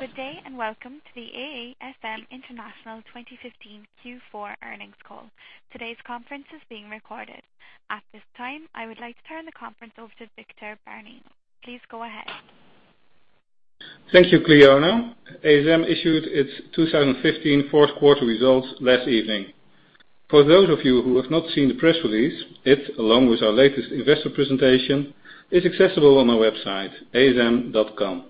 Good day. Welcome to the ASM International 2015 Q4 earnings call. Today's conference is being recorded. At this time, I would like to turn the conference over to Victor Bareño. Please go ahead. Thank you, Cleona. ASM issued its 2015 fourth quarter results last evening. For those of you who have not seen the press release, it, along with our latest investor presentation, is accessible on our website, asm.com.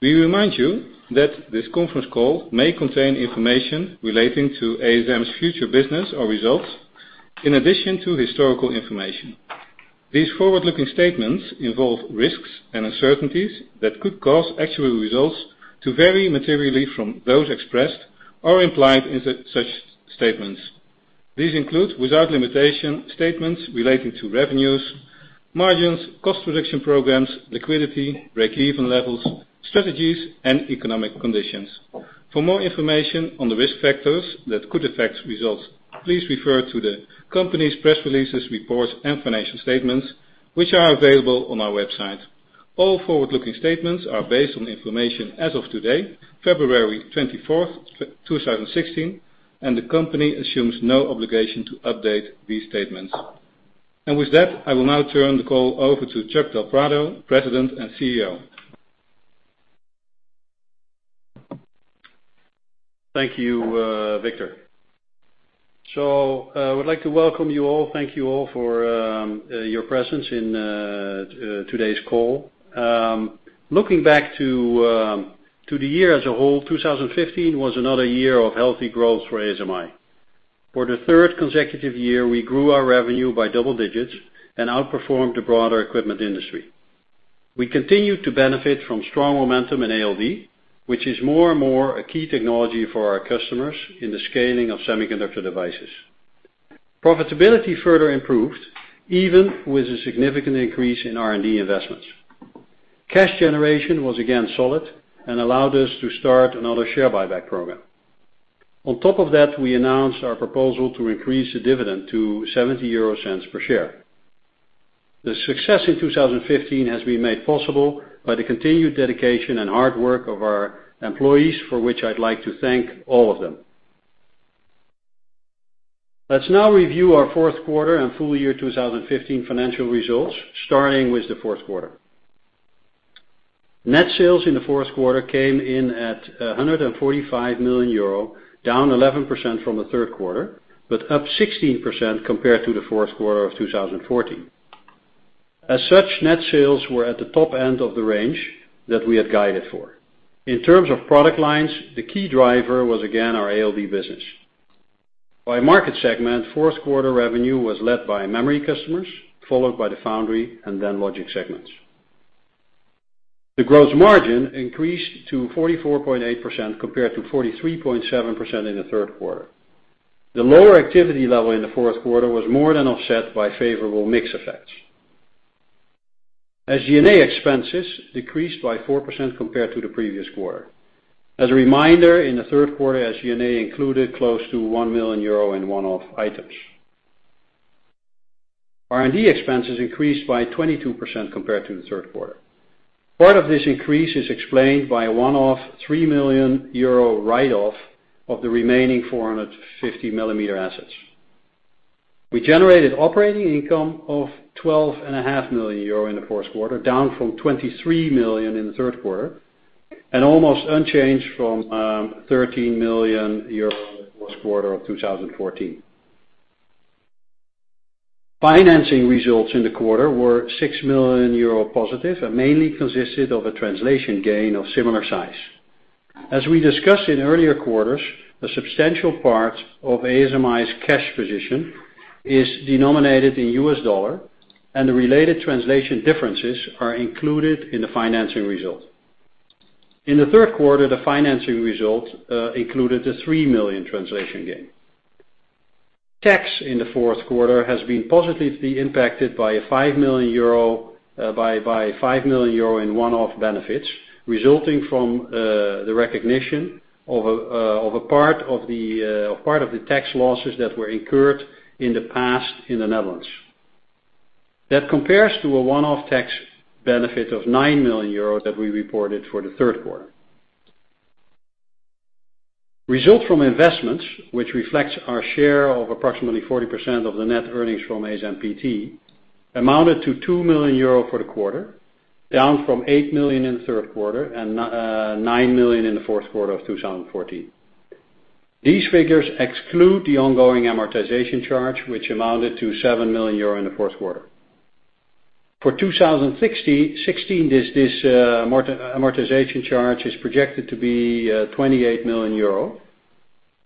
We remind you that this conference call may contain information relating to ASM's future business or results, in addition to historical information. These forward-looking statements involve risks and uncertainties that could cause actual results to vary materially from those expressed or implied in such statements. These include, without limitation, statements relating to revenues, margins, cost reduction programs, liquidity, break-even levels, strategies, and economic conditions. For more information on the risk factors that could affect results, please refer to the company's press releases, reports, and financial statements, which are available on our website. All forward-looking statements are based on information as of today, February 24th, 2016, and the company assumes no obligation to update these statements. With that, I will now turn the call over to Chuck del Prado, President and CEO. Thank you, Victor. I would like to welcome you all. Thank you all for your presence in today's call. Looking back to the year as a whole, 2015 was another year of healthy growth for ASMI. For the third consecutive year, we grew our revenue by double digits and outperformed the broader equipment industry. We continued to benefit from strong momentum in ALD, which is more and more a key technology for our customers in the scaling of semiconductor devices. Profitability further improved, even with a significant increase in R&D investments. Cash generation was again solid and allowed us to start another share buyback program. On top of that, we announced our proposal to increase the dividend to 0.70 per share. The success in 2015 has been made possible by the continued dedication and hard work of our employees, for which I'd like to thank all of them. Let's now review our fourth quarter and full year 2015 financial results, starting with the fourth quarter. Net sales in the fourth quarter came in at 145 million euro, down 11% from the third quarter, but up 16% compared to the fourth quarter of 2014. As such, net sales were at the top end of the range that we had guided for. In terms of product lines, the key driver was again our ALD business. By market segment, fourth quarter revenue was led by memory customers, followed by the foundry, and then logic segments. The gross margin increased to 44.8% compared to 43.7% in the third quarter. The lower activity level in the fourth quarter was more than offset by favorable mix effects. SG&A expenses decreased by 4% compared to the previous quarter. As a reminder, in the third quarter, SG&A included close to 1 million euro in one-off items. R&D expenses increased by 22% compared to the third quarter. Part of this increase is explained by a one-off 3 million euro write-off of the remaining 450-millimeter assets. We generated operating income of 12.5 million euro in the fourth quarter, down from 23 million in the third quarter, and almost unchanged from 13 million euro in the fourth quarter of 2014. Financing results in the quarter were 6 million euro positive and mainly consisted of a translation gain of similar size. As we discussed in earlier quarters, a substantial part of ASMI's cash position is denominated in US dollar, and the related translation differences are included in the financing result. In the third quarter, the financing result included a 3 million translation gain. Tax in the fourth quarter has been positively impacted by 5 million euro in one-off benefits, resulting from the recognition of a part of the tax losses that were incurred in the past in the Netherlands. That compares to a one-off tax benefit of 9 million euros that we reported for the third quarter. Results from investments, which reflects our share of approximately 40% of the net earnings from ASMPT, amounted to 2 million euro for the quarter, down from 8 million in the third quarter and 9 million in the fourth quarter of 2014. These figures exclude the ongoing amortization charge, which amounted to 7 million euro in the fourth quarter. For 2016, this amortization charge is projected to be 28 million euro.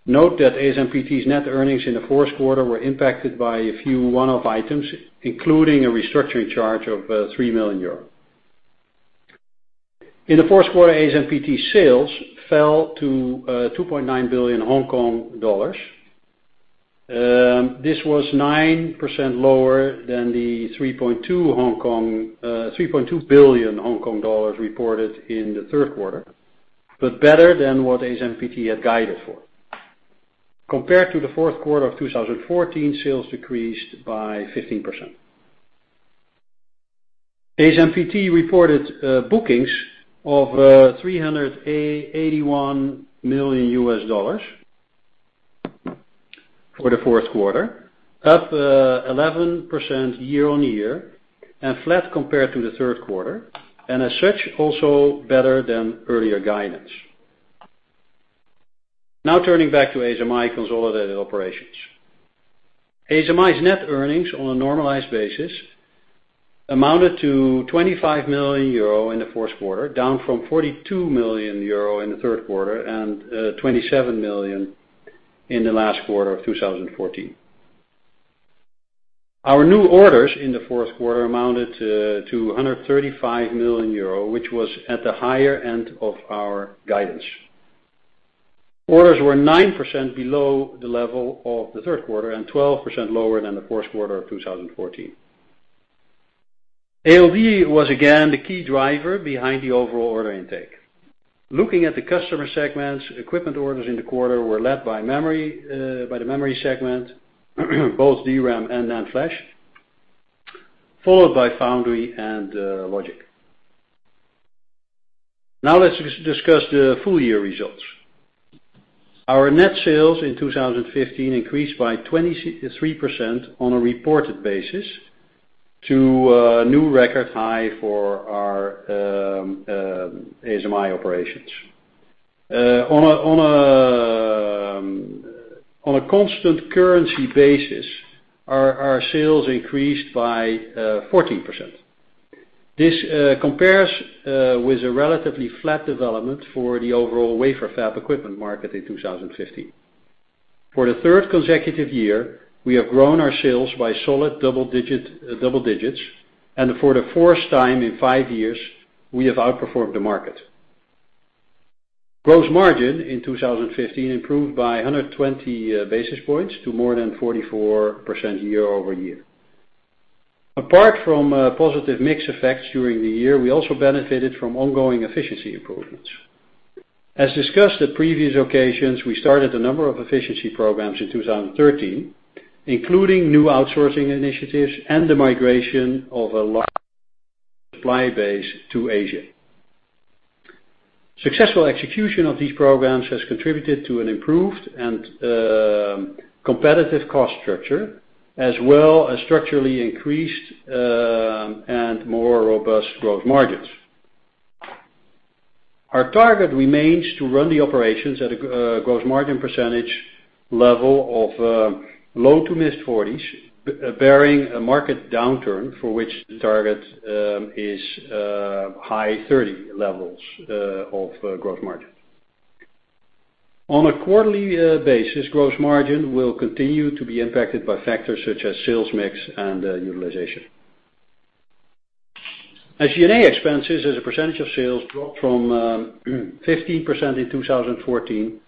Note that ASMPT's net earnings in the fourth quarter were impacted by a few one-off items, including a restructuring charge of 3 million euros. In the fourth quarter, ASMPT's sales fell to 2.9 billion Hong Kong dollars. This was 9% lower than the 3.2 billion Hong Kong dollars reported in the third quarter, but better than what ASMPT had guided for. Compared to the fourth quarter of 2014, sales decreased by 15%. ASMPT reported bookings of HKD 381 million for the fourth quarter, up 11% year-on-year and flat compared to the third quarter, and as such, also better than earlier guidance. Turning back to ASMI consolidated operations. ASMI's net earnings on a normalized basis amounted to 25 million euro in the fourth quarter, down from 42 million euro in the third quarter and 27 million in the last quarter of 2014. Our new orders in the fourth quarter amounted to 135 million euro, which was at the higher end of our guidance. Orders were 9% below the level of the third quarter and 12% lower than the fourth quarter of 2014. ALD was again the key driver behind the overall order intake. Looking at the customer segments, equipment orders in the quarter were led by the memory segment, both DRAM and NAND flash, followed by foundry and logic. Let's discuss the full-year results. Our net sales in 2015 increased by 23% on a reported basis to a new record high for our ASMI operations. On a constant currency basis, our sales increased by 14%. This compares with a relatively flat development for the overall wafer fab equipment market in 2015. For the third consecutive year, we have grown our sales by solid double digits, and for the fourth time in five years, we have outperformed the market. Gross margin in 2015 improved by 120 basis points to more than 44% year-over-year. Apart from positive mix effects during the year, we also benefited from ongoing efficiency improvements. As discussed at previous occasions, we started a number of efficiency programs in 2013, including new outsourcing initiatives and the migration of a large supply base to Asia. Successful execution of these programs has contributed to an improved and competitive cost structure, as well as structurally increased and more robust growth margins. Our target remains to run the operations at a gross margin percentage level of low to mid 40s, barring a market downturn, for which the target is high 30 levels of gross margin. On a quarterly basis, gross margin will continue to be impacted by factors such as sales mix and utilization. SG&A expenses as a percentage of sales dropped from 15% in 2014 to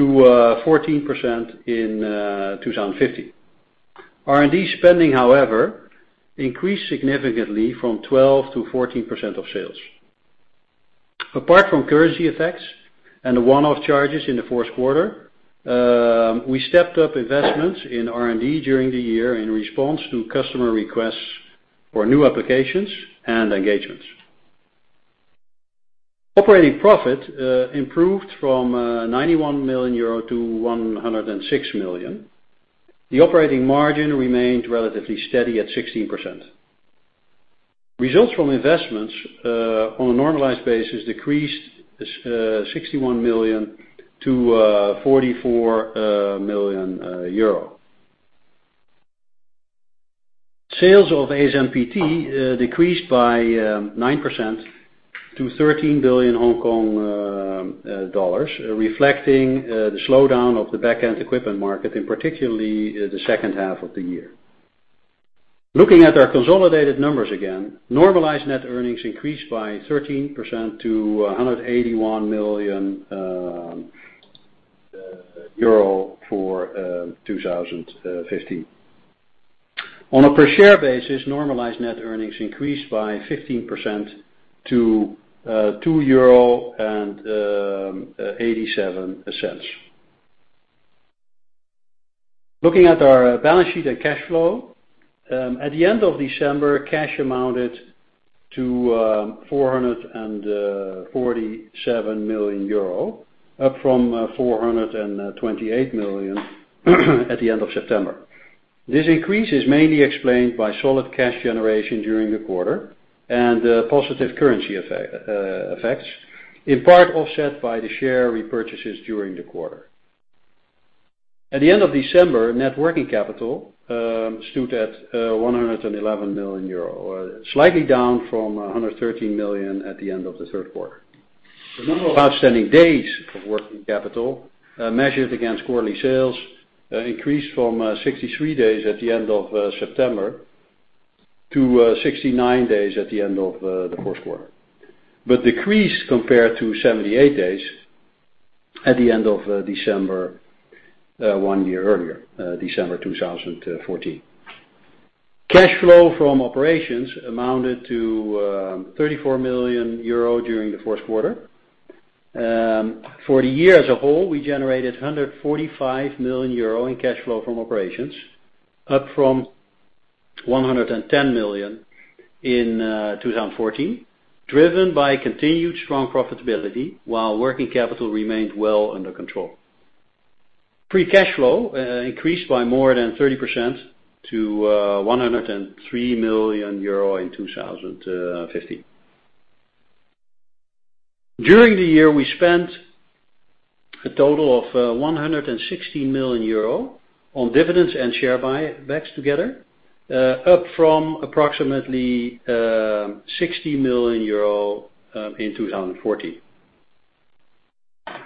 14% in 2015. R&D spending, however, increased significantly from 12% to 14% of sales. Apart from currency effects and the one-off charges in the fourth quarter, we stepped up investments in R&D during the year in response to customer requests for new applications and engagements. Operating profit improved from 91 million euro to 106 million. The operating margin remained relatively steady at 16%. Results from investments, on a normalized basis, decreased 61 million to 44 million euro. Sales of ASMPT decreased by 9% to 13 billion Hong Kong dollars, reflecting the slowdown of the back-end equipment market in particularly the second half of the year. Looking at our consolidated numbers again, normalized net earnings increased by 13% to 181 million euro for 2015. On a per share basis, normalized net earnings increased by 15% to EUR 2.87. Looking at our balance sheet and cash flow. At the end of December, cash amounted to 447 million euro, up from 428 million at the end of September. This increase is mainly explained by solid cash generation during the quarter and positive currency effects, in part offset by the share repurchases during the quarter. At the end of December, net working capital stood at 111 million euro, slightly down from 113 million at the end of the third quarter. The number of outstanding days of working capital, measured against quarterly sales, increased from 63 days at the end of September to 69 days at the end of the fourth quarter, but decreased compared to 78 days at the end of December one year earlier, December 2014. Cash flow from operations amounted to 34 million euro during the fourth quarter. For the year as a whole, we generated 145 million euro in cash flow from operations, up from 110 million in 2014, driven by continued strong profitability while working capital remained well under control. Free cash flow increased by more than 30% to 103 million euro in 2015. During the year, we spent a total of 116 million euro on dividends and share buybacks together, up from approximately 60 million euro in 2014.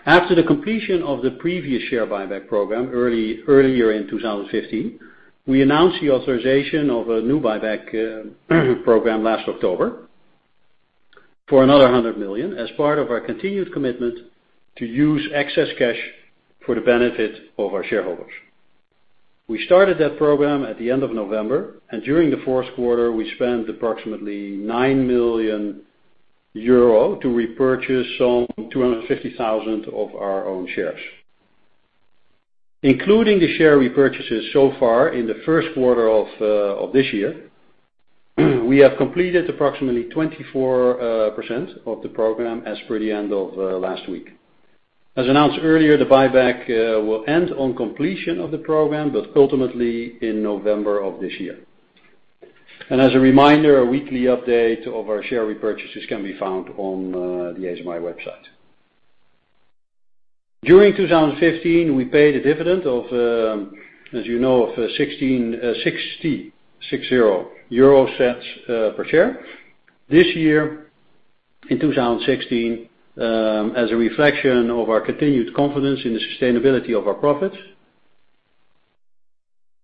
After the completion of the previous share buyback program earlier in 2015, we announced the authorization of a new buyback program last October for another 100 million, as part of our continued commitment to use excess cash for the benefit of our shareholders. We started that program at the end of November, and during the fourth quarter, we spent approximately 9 million euro to repurchase some 250,000 of our own shares. Including the share repurchases so far in the first quarter of this year, we have completed approximately 24% of the program as per the end of last week. As announced earlier, the buyback will end on completion of the program, but ultimately in November of this year. As a reminder, a weekly update of our share repurchases can be found on the ASMI website. During 2015, we paid a dividend of, as you know, 0.60 euro per share. This year, in 2016, as a reflection of our continued confidence in the sustainability of our profits,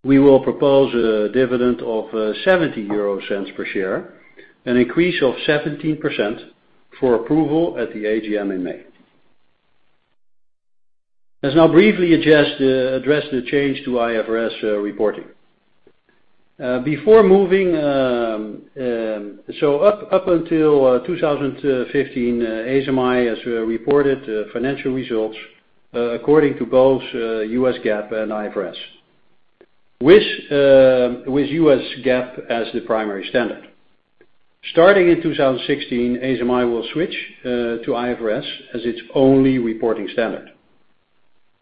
we will propose a dividend of 0.70 per share, an increase of 17%, for approval at the AGM in May. Let's now briefly address the change to IFRS reporting. Up until 2015, ASMI has reported financial results according to both US GAAP and IFRS, with US GAAP as the primary standard. Starting in 2016, ASMI will switch to IFRS as its only reporting standard.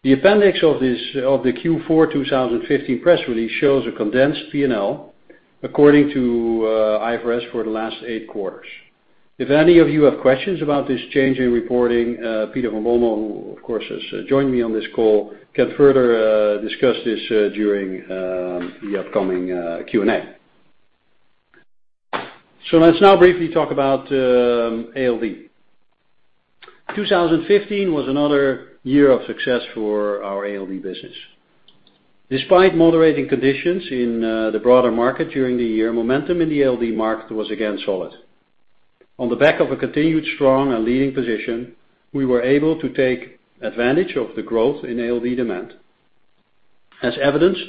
The appendix of the Q4 2015 press release shows a condensed P&L according to IFRS for the last eight quarters. If any of you have questions about this change in reporting, Peter van Bommel, who of course, has joined me on this call, can further discuss this during the upcoming Q&A. Let's now briefly talk about ALD. 2015 was another year of success for our ALD business. Despite moderating conditions in the broader market during the year, momentum in the ALD market was again solid. On the back of a continued strong and leading position, we were able to take advantage of the growth in ALD demand, as evidenced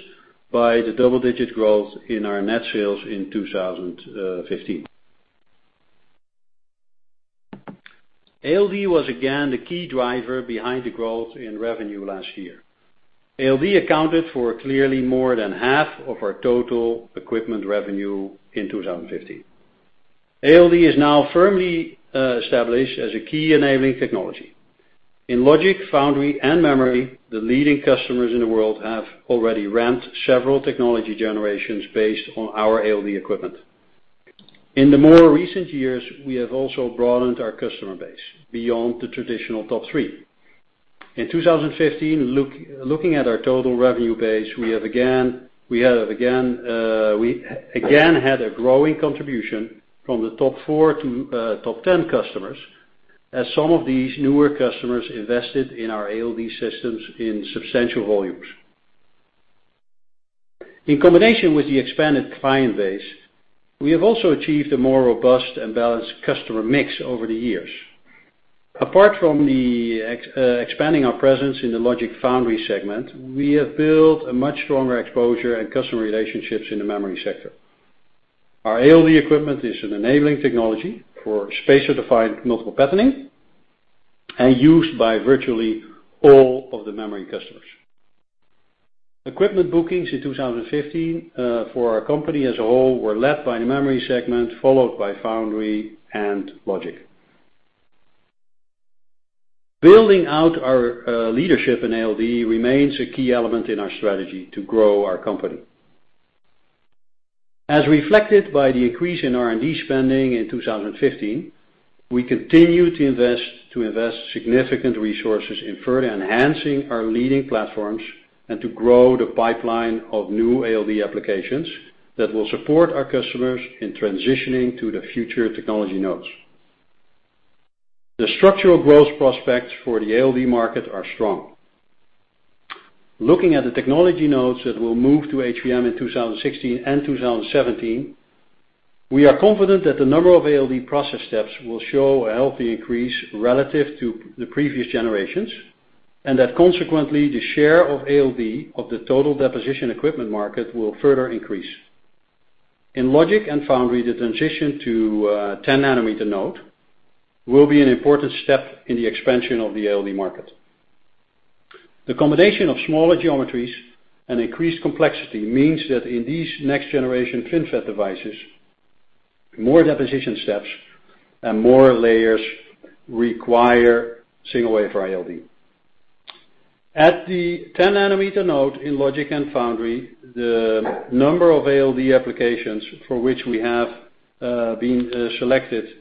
by the double-digit growth in our net sales in 2015. ALD was again the key driver behind the growth in revenue last year. ALD accounted for clearly more than half of our total equipment revenue in 2015. ALD is now firmly established as a key enabling technology. In logic, foundry, and memory, the leading customers in the world have already ramped several technology generations based on our ALD equipment. In the more recent years, we have also broadened our customer base beyond the traditional top three. In 2015, looking at our total revenue base, we again had a growing contribution from the top four to top 10 customers as some of these newer customers invested in our ALD systems in substantial volumes. In combination with the expanded client base, we have also achieved a more robust and balanced customer mix over the years. Apart from expanding our presence in the logic foundry segment, we have built a much stronger exposure and customer relationships in the memory sector. Our ALD equipment is an enabling technology for spacer-defined multiple patterning and used by virtually all of the memory customers. Equipment bookings in 2015, for our company as a whole, were led by the memory segment, followed by foundry and logic. Building out our leadership in ALD remains a key element in our strategy to grow our company. As reflected by the increase in R&D spending in 2015, we continue to invest significant resources in further enhancing our leading platforms and to grow the pipeline of new ALD applications that will support our customers in transitioning to the future technology nodes. The structural growth prospects for the ALD market are strong. Looking at the technology nodes that will move to HVM in 2016 and 2017, we are confident that the number of ALD process steps will show a healthy increase relative to the previous generations, and that consequently, the share of ALD of the total deposition equipment market will further increase. In logic and foundry, the transition to 10 nanometer node will be an important step in the expansion of the ALD market. The combination of smaller geometries and increased complexity means that in these next generation FinFET devices, more deposition steps and more layers require single wafer ALD. At the 10 nanometer node in logic and foundry, the number of ALD applications for which we have been selected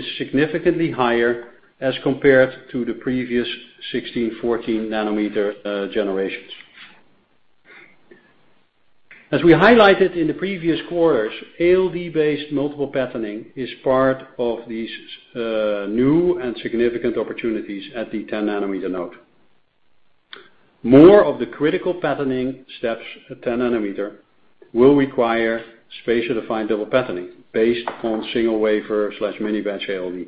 is significantly higher as compared to the previous 16, 14 nanometer generations. As we highlighted in the previous quarters, ALD-based multiple patterning is part of these new and significant opportunities at the 10 nanometer node. More of the critical patterning steps at 10 nanometer will require spacer-defined double patterning based on single wafer/mini-batch ALD.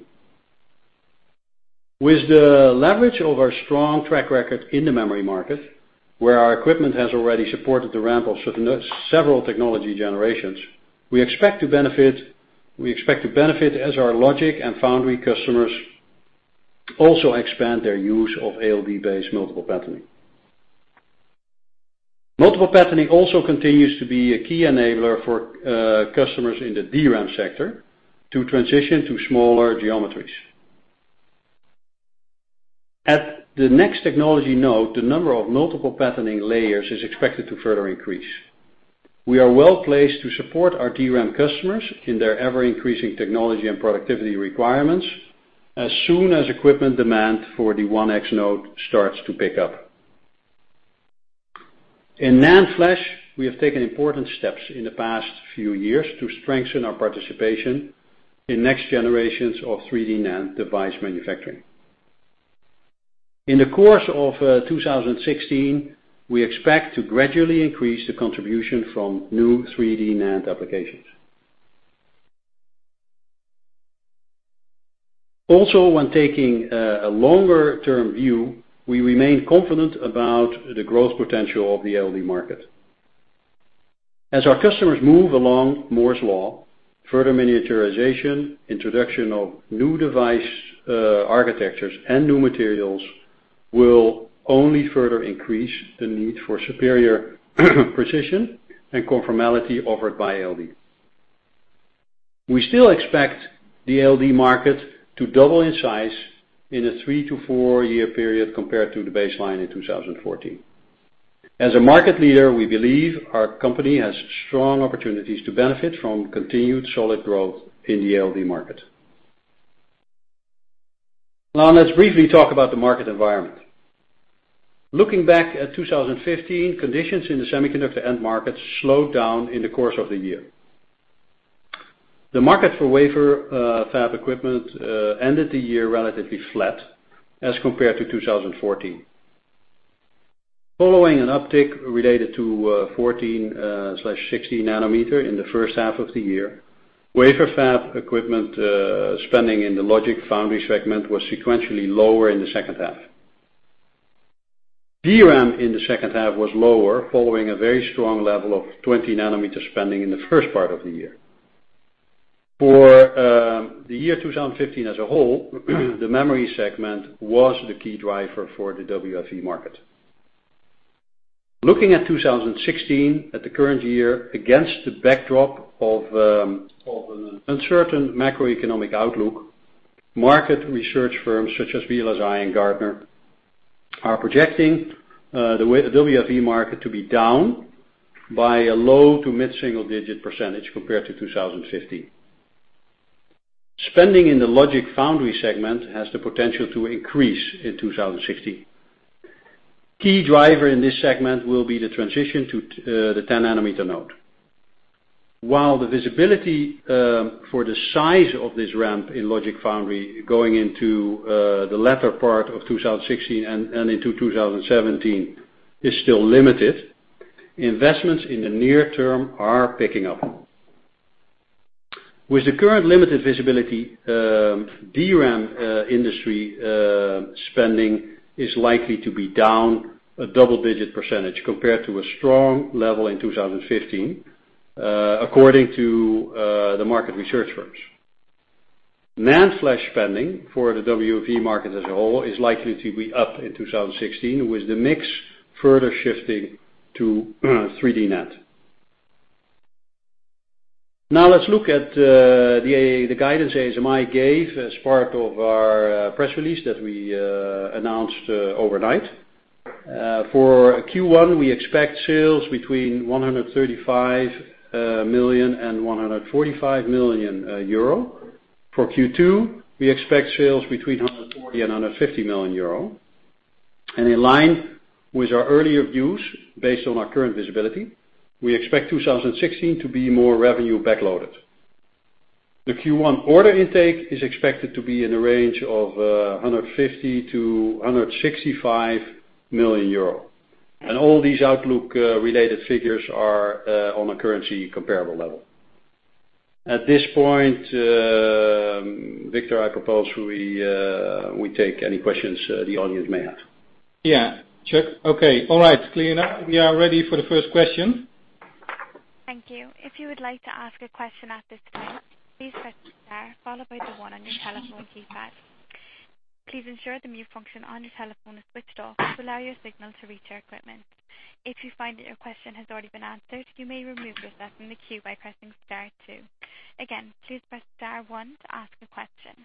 With the leverage of our strong track record in the memory market, where our equipment has already supported the ramp of several technology generations, we expect to benefit as our logic and foundry customers also expand their use of ALD-based multiple patterning. Multiple patterning also continues to be a key enabler for customers in the DRAM sector to transition to smaller geometries. At the next technology node, the number of multiple patterning layers is expected to further increase. We are well-placed to support our DRAM customers in their ever-increasing technology and productivity requirements, as soon as equipment demand for the 1X node starts to pick up. In NAND flash, we have taken important steps in the past few years to strengthen our participation in next generations of 3D NAND device manufacturing. In the course of 2016, we expect to gradually increase the contribution from new 3D NAND applications. When taking a longer-term view, we remain confident about the growth potential of the ALD market. As our customers move along Moore's Law, further miniaturization, introduction of new device architectures and new materials will only further increase the need for superior precision and conformality offered by ALD. We still expect the ALD market to double in size in a three to four-year period compared to the baseline in 2014. As a market leader, we believe our company has strong opportunities to benefit from continued solid growth in the ALD market. Now let's briefly talk about the market environment. Looking back at 2015, conditions in the semiconductor end markets slowed down in the course of the year. The market for wafer fab equipment ended the year relatively flat as compared to 2014. Following an uptick related to 14/16 nanometer in the first half of the year, wafer fab equipment spending in the logic foundry segment was sequentially lower in the second half. DRAM in the second half was lower, following a very strong level of 20 nanometer spending in the first part of the year. For the year 2015 as a whole, the memory segment was the key driver for the WFE market. Looking at 2016, at the current year, against the backdrop of an uncertain macroeconomic outlook, market research firms such as VLSI and Gartner are projecting the WFE market to be down by a low to mid-single digit percentage compared to 2015. Spending in the logic foundry segment has the potential to increase in 2016. Key driver in this segment will be the transition to the 10 nanometer node. While the visibility for the size of this ramp in logic foundry going into the latter part of 2016 and into 2017 is still limited, investments in the near term are picking up. With the current limited visibility, DRAM industry spending is likely to be down a double-digit percentage compared to a strong level in 2015, according to the market research firms. NAND flash spending for the WFE market as a whole is likely to be up in 2016, with the mix further shifting to 3D NAND. Let's look at the guidance ASMI gave as part of our press release that we announced overnight. For Q1, we expect sales between 135 million and 145 million euro. For Q2, we expect sales between 140 million and 150 million euro. In line with our earlier views, based on our current visibility, we expect 2016 to be more revenue backloaded. The Q1 order intake is expected to be in the range of 150 million euro to 165 million euro. All these outlook related figures are on a currency comparable level. At this point, Victor, I propose we take any questions the audience may have. Yeah. Chuck. Okay. All right. Clearing up. We are ready for the first question. Thank you. If you would like to ask a question at this time, please press star, followed by the one on your telephone keypad. Please ensure the mute function on your telephone is switched off to allow your signal to reach our equipment. If you find that your question has already been answered, you may remove yourself from the queue by pressing star two. Again, please press star one to ask a question.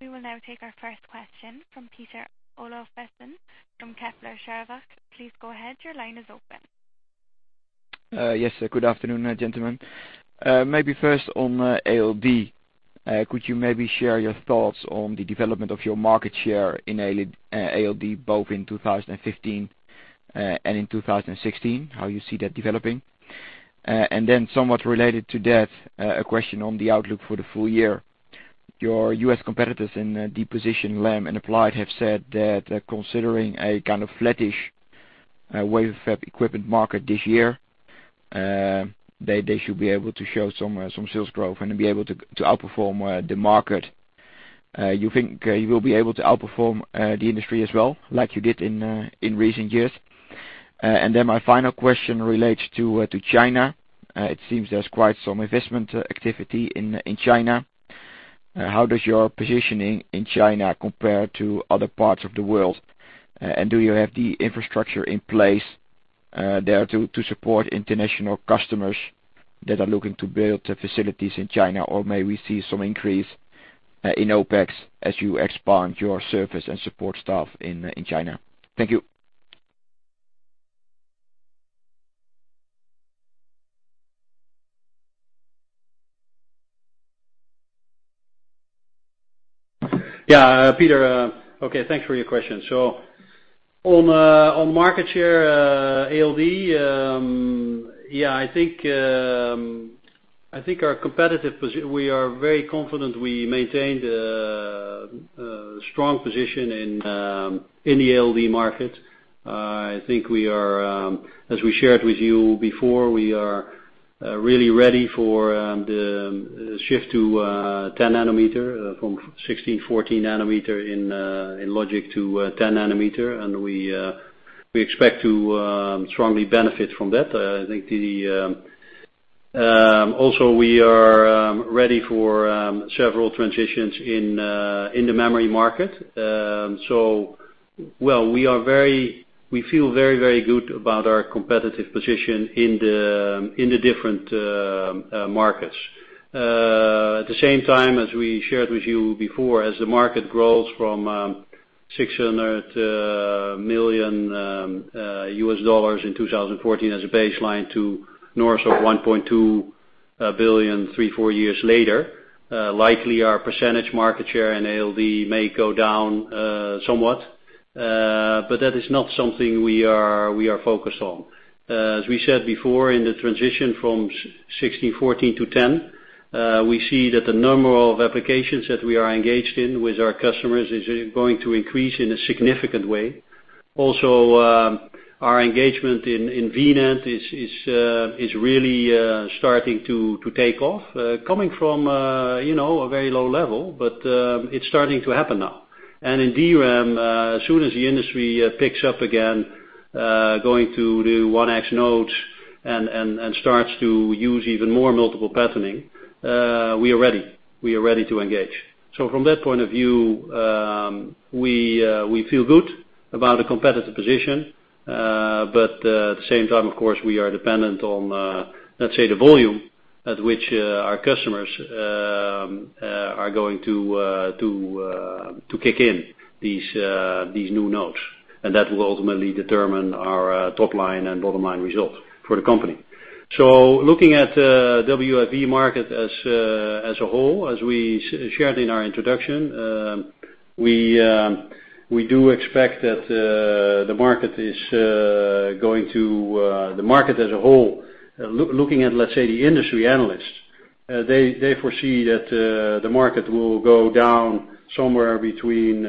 We will now take our first question from Pieter de Pous from Kepler Cheuvreux. Please go ahead. Your line is open. Yes. Good afternoon, gentlemen. Maybe first on ALD. Could you maybe share your thoughts on the development of your market share in ALD, both in 2015 and in 2016, how you see that developing? Somewhat related to that, a question on the outlook for the full year. Your U.S. competitors in deposition, Lam and Applied, have said that considering a kind of flattish wafer fab equipment market this year, they should be able to show some sales growth and be able to outperform the market. You think you will be able to outperform the industry as well, like you did in recent years? My final question relates to China. It seems there's quite some investment activity in China. How does your positioning in China compare to other parts of the world? Do you have the infrastructure in place there to support international customers that are looking to build facilities in China? Or may we see some increase in OpEx as you expand your service and support staff in China? Thank you. Yeah. Pieter, okay, thanks for your question. On market share ALD, we are very confident we maintained a strong position in the ALD market. As we shared with you before, we are really ready for the shift to 10 nanometer, from 16, 14 nanometer in logic to 10 nanometer, we expect to strongly benefit from that. Also, we are ready for several transitions in the memory market. We feel very good about our competitive position in the different markets. At the same time, as we shared with you before, as the market grows from $600 million in 2014 as a baseline to north of $1.2 billion three, four years later, likely our percentage market share in ALD may go down somewhat. That is not something we are focused on. In the transition from 16, 14 to 10, we see that the number of applications that we are engaged in with our customers is going to increase in a significant way. Also, our engagement in VNAND is really starting to take off. Coming from a very low level, but it's starting to happen now. In DRAM, as soon as the industry picks up again, going to do 1X nodes and starts to use even more multiple patterning, we are ready. We are ready to engage. From that point of view, we feel good about the competitive position. At the same time, of course, we are dependent on, let's say, the volume at which our customers are going to kick in these new nodes. That will ultimately determine our top line and bottom line results for the company. Looking at the WFE market as a whole, as we shared in our introduction, we do expect that the market as a whole, looking at, let's say, the industry analysts, they foresee that the market will go down somewhere between,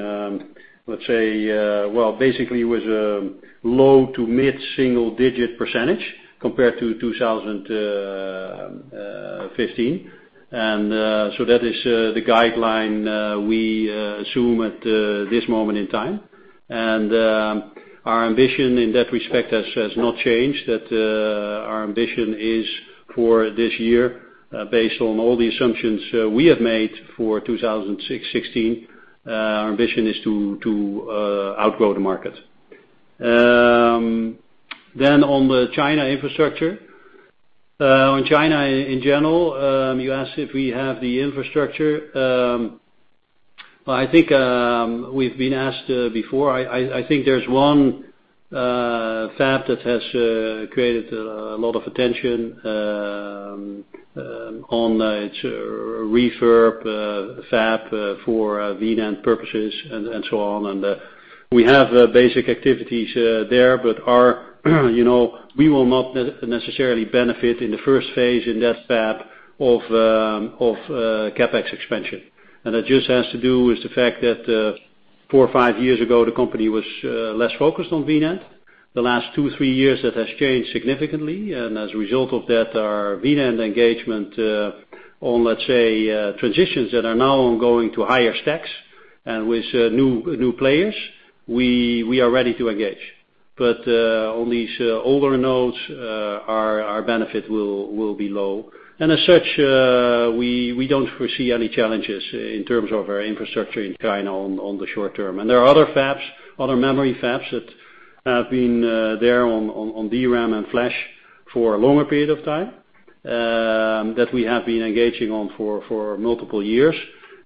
let's say, well, basically with a low to mid-single digit percentage compared to 2015. That is the guideline we assume at this moment in time. Our ambition in that respect has not changed, that our ambition is for this year, based on all the assumptions we have made for 2016, our ambition is to outgrow the market. On the China infrastructure. On China in general, you asked if we have the infrastructure. Well, we've been asked before. I think there's one fab that has created a lot of attention on its refurbished fab for VNAND purposes and so on. We have basic activities there, but we will not necessarily benefit in the first phase in that fab of CapEx expansion. That just has to do with the fact that four or five years ago, the company was less focused on VNAND. The last two, three years, that has changed significantly. As a result of that, our VNAND engagement on, let's say, transitions that are now going to higher stacks and with new players, we are ready to engage. On these older nodes, our benefit will be low. As such, we don't foresee any challenges in terms of our infrastructure in China on the short term. There are other memory fabs that have been there on DRAM and flash for a longer period of time, that we have been engaging on for multiple years.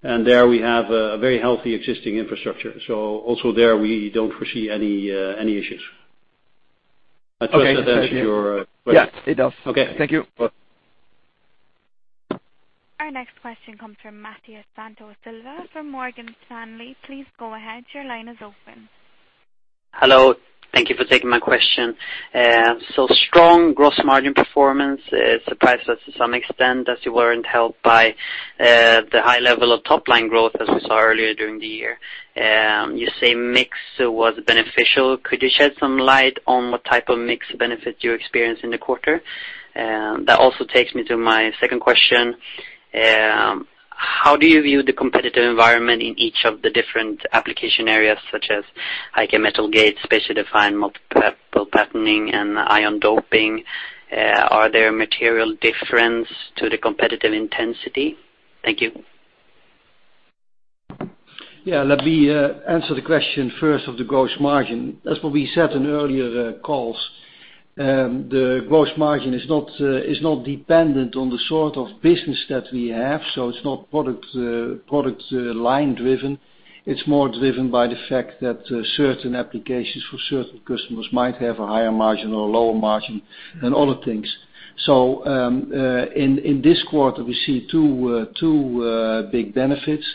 There we have a very healthy existing infrastructure. Also there, we don't foresee any issues. I trust that answers your question. Yes, it does. Okay. Thank you. You're welcome. Our next question comes from Mathias Santos Silva from Morgan Stanley. Please go ahead. Your line is open. Hello. Thank you for taking my question. Strong gross margin performance surprised us to some extent as you weren't helped by the high level of top-line growth as we saw earlier during the year. You say mix was beneficial. Could you shed some light on what type of mix benefit you experienced in the quarter? That also takes me to my second question. How do you view the competitive environment in each of the different application areas, such as high-k metal gate, spacer-defined multiple patterning and ion doping? Are there material difference to the competitive intensity? Thank you. Yeah, let me answer the question first of the gross margin. As what we said in earlier calls, the gross margin is not dependent on the sort of business that we have. It's not product line driven. It's more driven by the fact that certain applications for certain customers might have a higher margin or a lower margin than other things. In this quarter, we see two big benefits.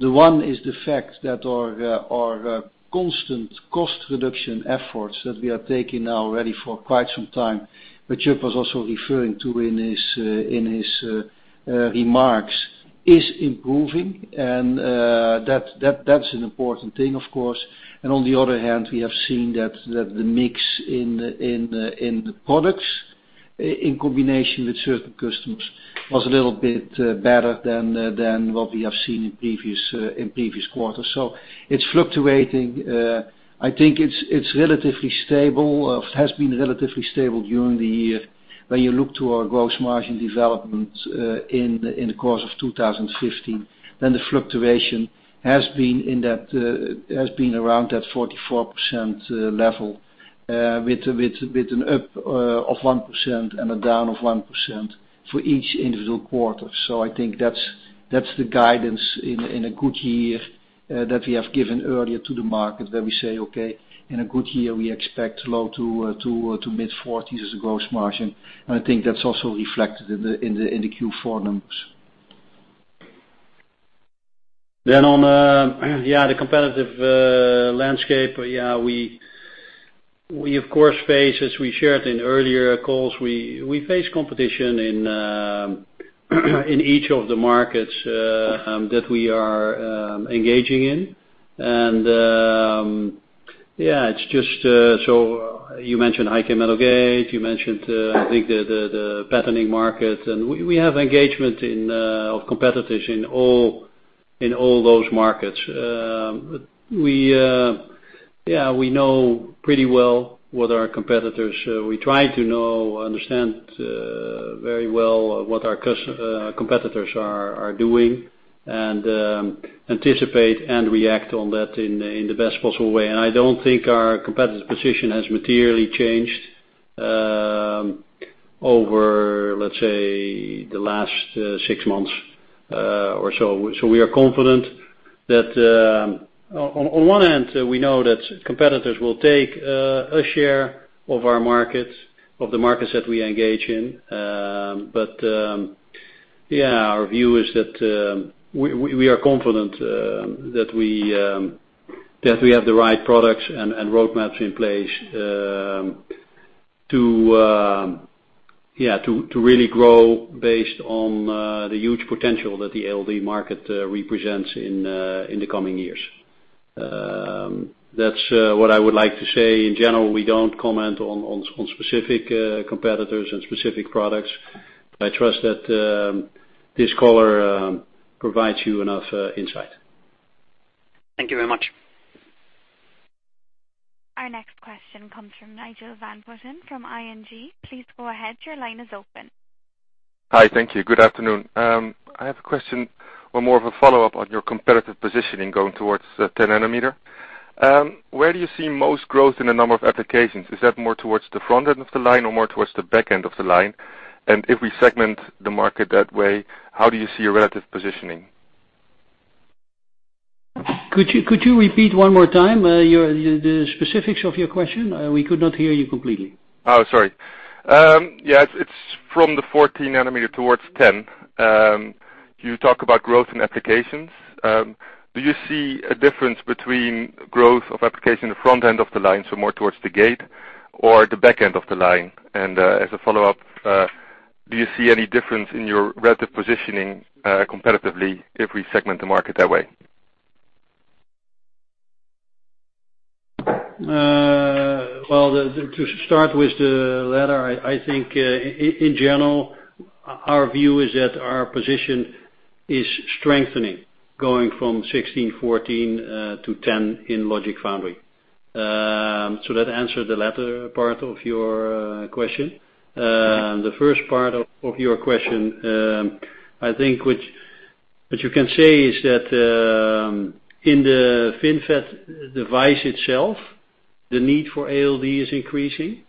The one is the fact that our constant cost reduction efforts that we are taking now already for quite some time, which [Chip] was also referring to in his remarks, is improving. That's an important thing, of course. On the other hand, we have seen that the mix in the products, in combination with certain customers, was a little bit better than what we have seen in previous quarters. It's fluctuating. I think it's relatively stable or has been relatively stable during the year. When you look to our gross margin development in the course of 2015, the fluctuation has been around that 44% level, with an up of 1% and a down of 1% for each individual quarter. I think that's the guidance in a good year that we have given earlier to the market, where we say, okay, in a good year, we expect low to mid-40s as a gross margin. I think that's also reflected in the Q4 numbers. On the competitive landscape. We, of course, face, as we shared in earlier calls, we face competition in each of the markets that we are engaging in. You mentioned high-k metal gate, you mentioned, I think, the patterning market, and we have engagement of competitors in all those markets. We try to know, understand very well what our competitors are doing and anticipate and react on that in the best possible way. I don't think our competitive position has materially changed over, let's say, the last six months or so. We are confident that, on one hand, we know that competitors will take a share of our markets, of the markets that we engage in. Our view is that we are confident that we have the right products and roadmaps in place to really grow based on the huge potential that the ALD market represents in the coming years. That's what I would like to say. In general, we don't comment on specific competitors and specific products, but I trust that this call provides you enough insight. Thank you very much. Our next question comes from Nigel van Putten from ING. Please go ahead. Your line is open. Hi. Thank you. Good afternoon. I have a question or more of a follow-up on your competitive positioning going towards the 10 nanometer. Where do you see most growth in the number of applications? Is that more towards the front end of the line or more towards the back end of the line? If we segment the market that way, how do you see your relative positioning? Could you repeat one more time the specifics of your question? We could not hear you completely. Oh, sorry. Yes, it's from the 14 nanometer towards 10. You talk about growth in applications. Do you see a difference between growth of application in the front end of the line, so more towards the gate or the back end of the line? As a follow-up, do you see any difference in your relative positioning competitively if we segment the market that way? Well, to start with the latter, I think, in general, our view is that our position is strengthening going from 16, 14, to 10 in logic foundry. That answers the latter part of your question. Okay. The first part of your question, I think what you can say is that, in the FinFET device itself, the need for ALD is increasing.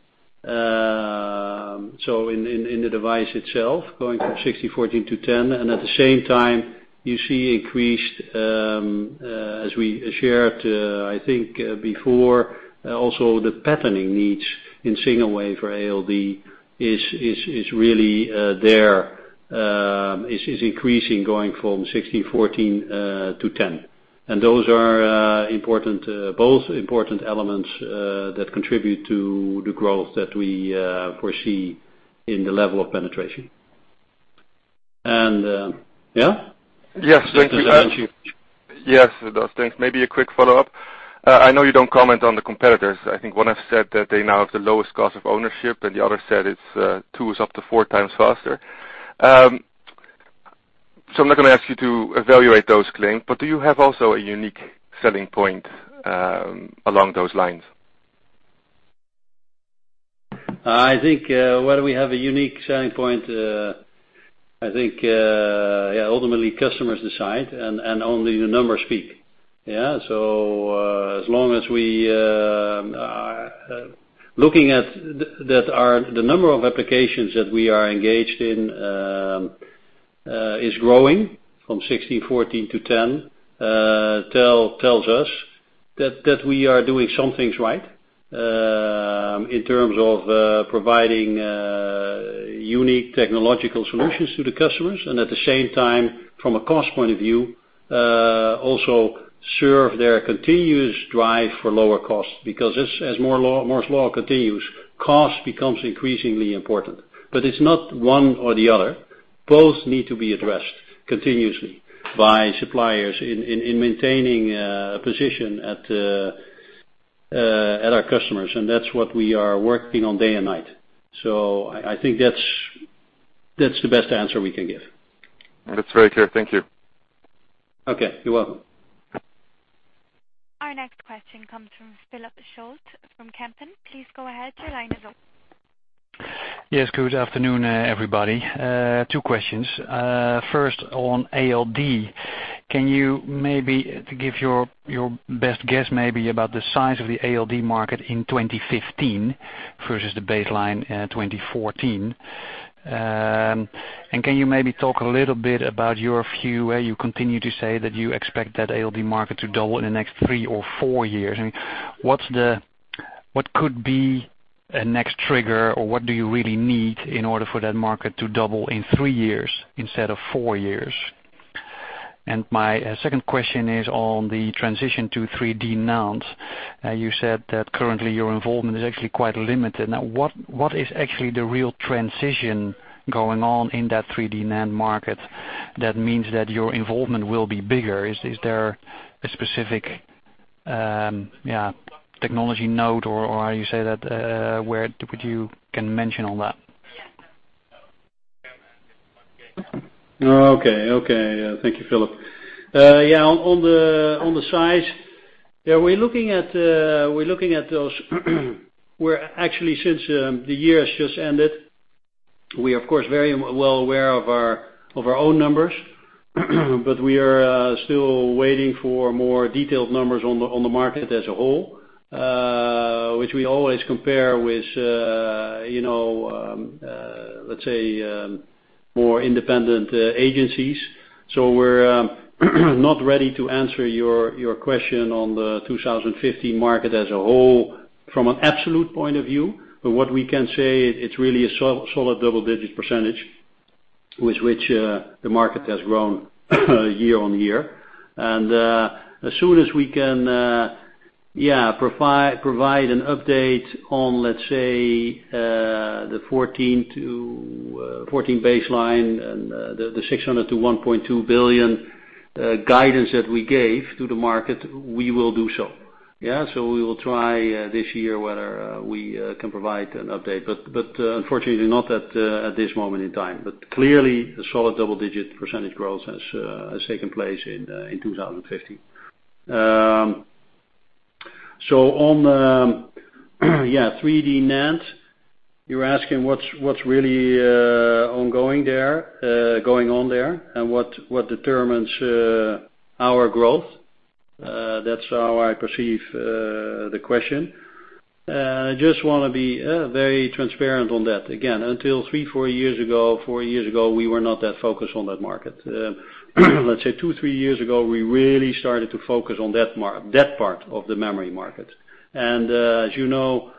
In the device itself, going from 16, 14 to 10, and at the same time, you see increased, as we shared, I think before, also the patterning needs in single wafer ALD is really there. Is increasing going from 16, 14, to 10. Those are both important elements, that contribute to the growth that we foresee in the level of penetration. Yeah? Yes. Thank you. Yes. Thanks. Maybe a quick follow-up. I know you don't comment on the competitors. I think one has said that they now have the lowest cost of ownership, and the other said it's 2 to 4 times faster. I'm not going to ask you to evaluate those claims, but do you have also a unique selling point, along those lines? I think, whether we have a unique selling point, I think, ultimately customers decide and only the numbers speak. Yeah. As long as we are looking at the number of applications that we are engaged in, is growing from 16, 14 to 10, tells us that we are doing some things right, in terms of providing unique technological solutions to the customers. At the same time, from a cost point of view, also serve their continuous drive for lower costs, because as Moore's Law continues, cost becomes increasingly important. It's not one or the other. Both need to be addressed continuously by suppliers in maintaining a position at our customers, and that's what we are working on day and night. I think that's the best answer we can give. That's very clear. Thank you. Okay. You're welcome. Our next question comes from [Philip Scholz] from Kempen. Please go ahead. Your line is open. Yes. Good afternoon, everybody. Two questions. First, on ALD. Can you maybe give your best guess maybe about the size of the ALD market in 2015 versus the baseline, 2014? Can you maybe talk a little bit about your view, you continue to say that you expect that ALD market to double in the next three or four years. What could be a next trigger, or what do you really need in order for that market to double in three years instead of four years? My second question is on the transition to 3D NAND. You said that currently your involvement is actually quite limited. What is actually the real transition going on in that 3D NAND market that means that your involvement will be bigger? Is there a specific technology node, or how you say that, where you can mention on that? Okay. Thank you, Philip. On the size, we're looking at those, where actually since the year has just ended, we are, of course, very well aware of our own numbers. We are still waiting for more detailed numbers on the market as a whole, which we always compare with, let's say, more independent agencies. We're not ready to answer your question on the 2015 market as a whole from an absolute point of view. What we can say, it's really a solid double-digit % with which the market has grown year-on-year. As soon as we can provide an update on, let's say, the 2014 baseline and the 600-1.2 billion guidance that we gave to the market, we will do so. We will try, this year, whether we can provide an update. Unfortunately not at this moment in time. Clearly, a solid double-digit % growth has taken place in 2015. On 3D NAND, you're asking what's really going on there and what determines our growth. That's how I perceive the question. I just want to be very transparent on that. Again, until three, four years ago, we were not that focused on that market. Let's say two, three years ago, we really started to focus on that part of the memory market. As you know,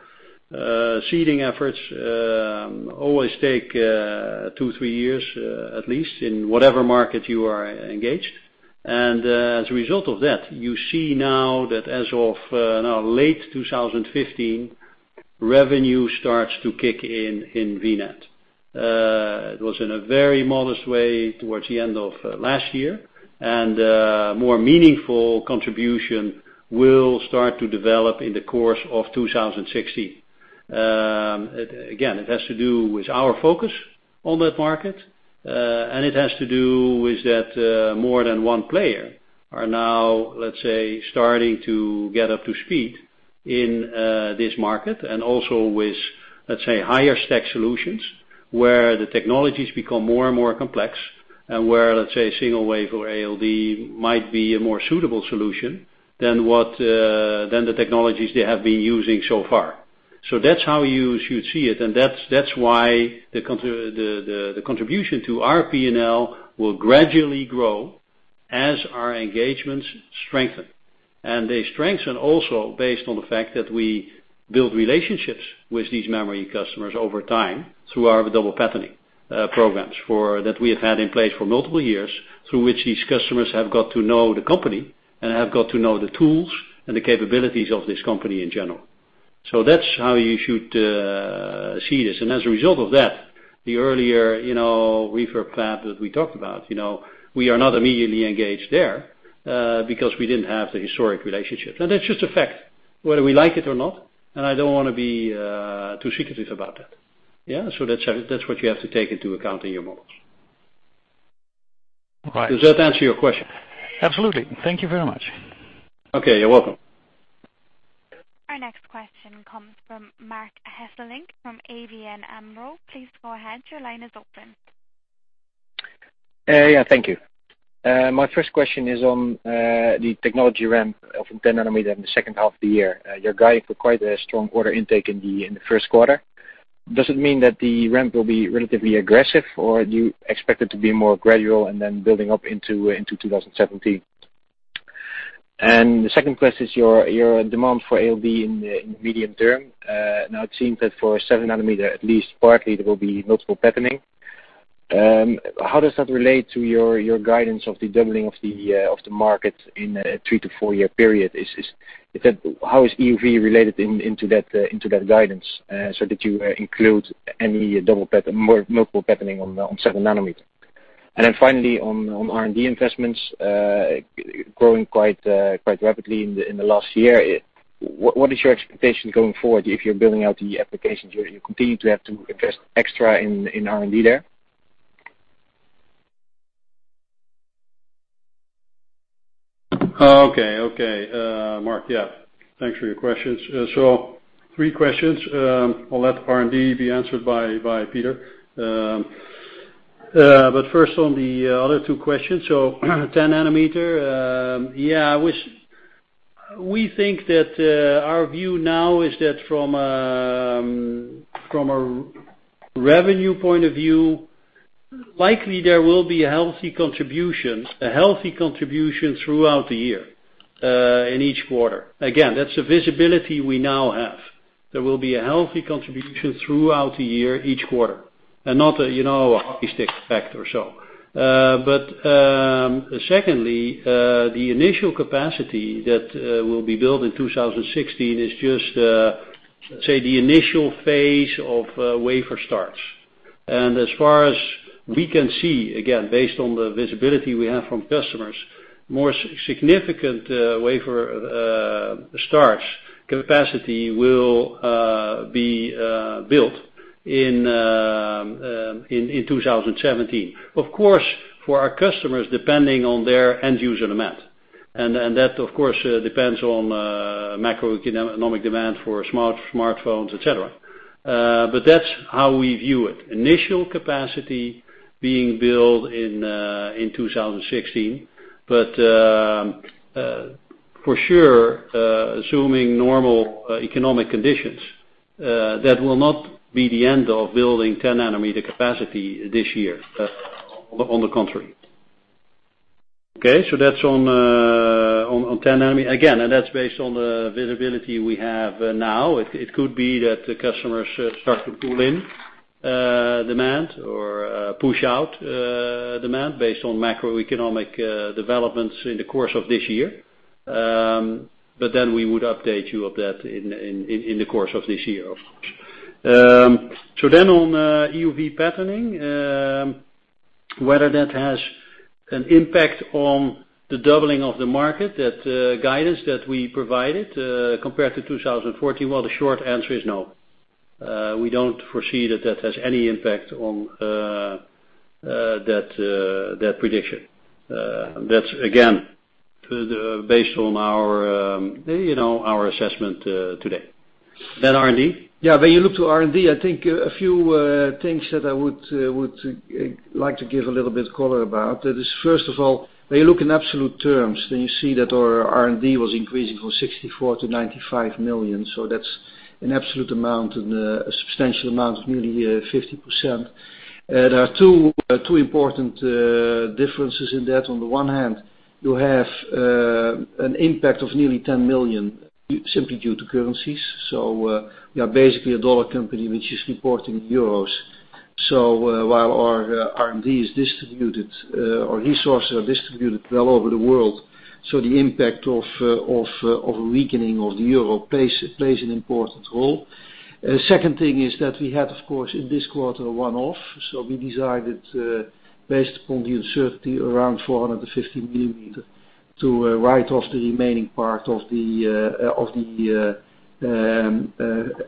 seeding efforts always take two, three years, at least, in whatever market you are engaged. As a result of that, you see now that as of late 2015, revenue starts to kick in V-NAND. It was in a very modest way towards the end of last year, and more meaningful contribution will start to develop in the course of 2016. It has to do with our focus on that market. It has to do with that more than one player are now, let's say, starting to get up to speed in this market and also with, let's say, higher stack solutions where the technologies become more and more complex and where, let's say, single wafer ALD might be a more suitable solution than the technologies they have been using so far. That's how you should see it, and that's why the contribution to our P&L will gradually grow as our engagements strengthen. They strengthen also based on the fact that we build relationships with these memory customers over time through our double patterning programs that we have had in place for multiple years, through which these customers have got to know the company and have got to know the tools and the capabilities of this company in general. That's how you should see this. As a result of that, the earlier refurbished fab that we talked about, we are not immediately engaged there, because we didn't have the historic relationships. That's just a fact, whether we like it or not, and I don't want to be too secretive about that. Yeah. That's what you have to take into account in your models. All right. Does that answer your question? Absolutely. Thank you very much. Okay. You're welcome. Our next question comes from Marc Hesselink, from ABN AMRO. Please go ahead. Your line is open. Yeah. Thank you. My first question is on the technology ramp of 10 nanometer in the second half of the year. You're guiding for quite a strong order intake in the first quarter. Does it mean that the ramp will be relatively aggressive, or do you expect it to be more gradual and then building up into 2017? The second question is your demand for ALD in the medium term. Now it seems that for seven nanometer, at least partly there will be multiple patterning. How does that relate to your guidance of the doubling of the market in a three to four-year period? How is EUV related into that guidance? Did you include any multiple patterning on seven nanometer? Then finally on R&D investments, growing quite rapidly in the last year, what is your expectation going forward if you're building out the applications? You continue to have to invest extra in R&D there? Okay. Mark, yeah. Thanks for your questions. Three questions. I'll let the R&D be answered by Peter. First on the other two questions. 10 nanometer, we think that our view now is that from a revenue point of view, likely there will be a healthy contribution throughout the year, in each quarter. Again, that's the visibility we now have. There will be a healthy contribution throughout the year, each quarter, and not a hockey stick effect or so. Secondly, the initial capacity that will be built in 2016 is just, let's say, the initial phase of wafer starts. As far as we can see, again, based on the visibility we have from customers, more significant wafer starts capacity will be built in 2017. For our customers, depending on their end user demand. That of course, depends on macroeconomic demand for smartphones, et cetera. That's how we view it. Initial capacity being built in 2016. For sure, assuming normal economic conditions, that will not be the end of building 10-nanometer capacity this year, on the contrary. Okay? That's on 10 nanometer. Again, that's based on the visibility we have now. It could be that the customers start to pull in demand or push out demand based on macroeconomic developments in the course of this year. Then we would update you of that in the course of this year, of course. On EUV patterning, whether that has an impact on the doubling of the market, that guidance that we provided, compared to 2014? The short answer is no. We don't foresee that that has any impact on that prediction. That's again, based on our assessment today. R&D? Yeah. When you look to R&D, I think a few things that I would like to give a little bit of color about. First of all, when you look in absolute terms, you see that our R&D was increasing from 64 million to 95 million. That's an absolute amount and a substantial amount of nearly 50%. There are two important differences in that. On the one hand, you have an impact of nearly 10 million simply due to currencies. We are basically a dollar company, which is reporting in euros. While our R&D is distributed, our resources are distributed well over the world. The impact of a weakening of the euro plays an important role. Second thing is that we had, of course, in this quarter, a one-off. We decided, based upon the uncertainty, around 450-millimeter, to write off the remaining part of the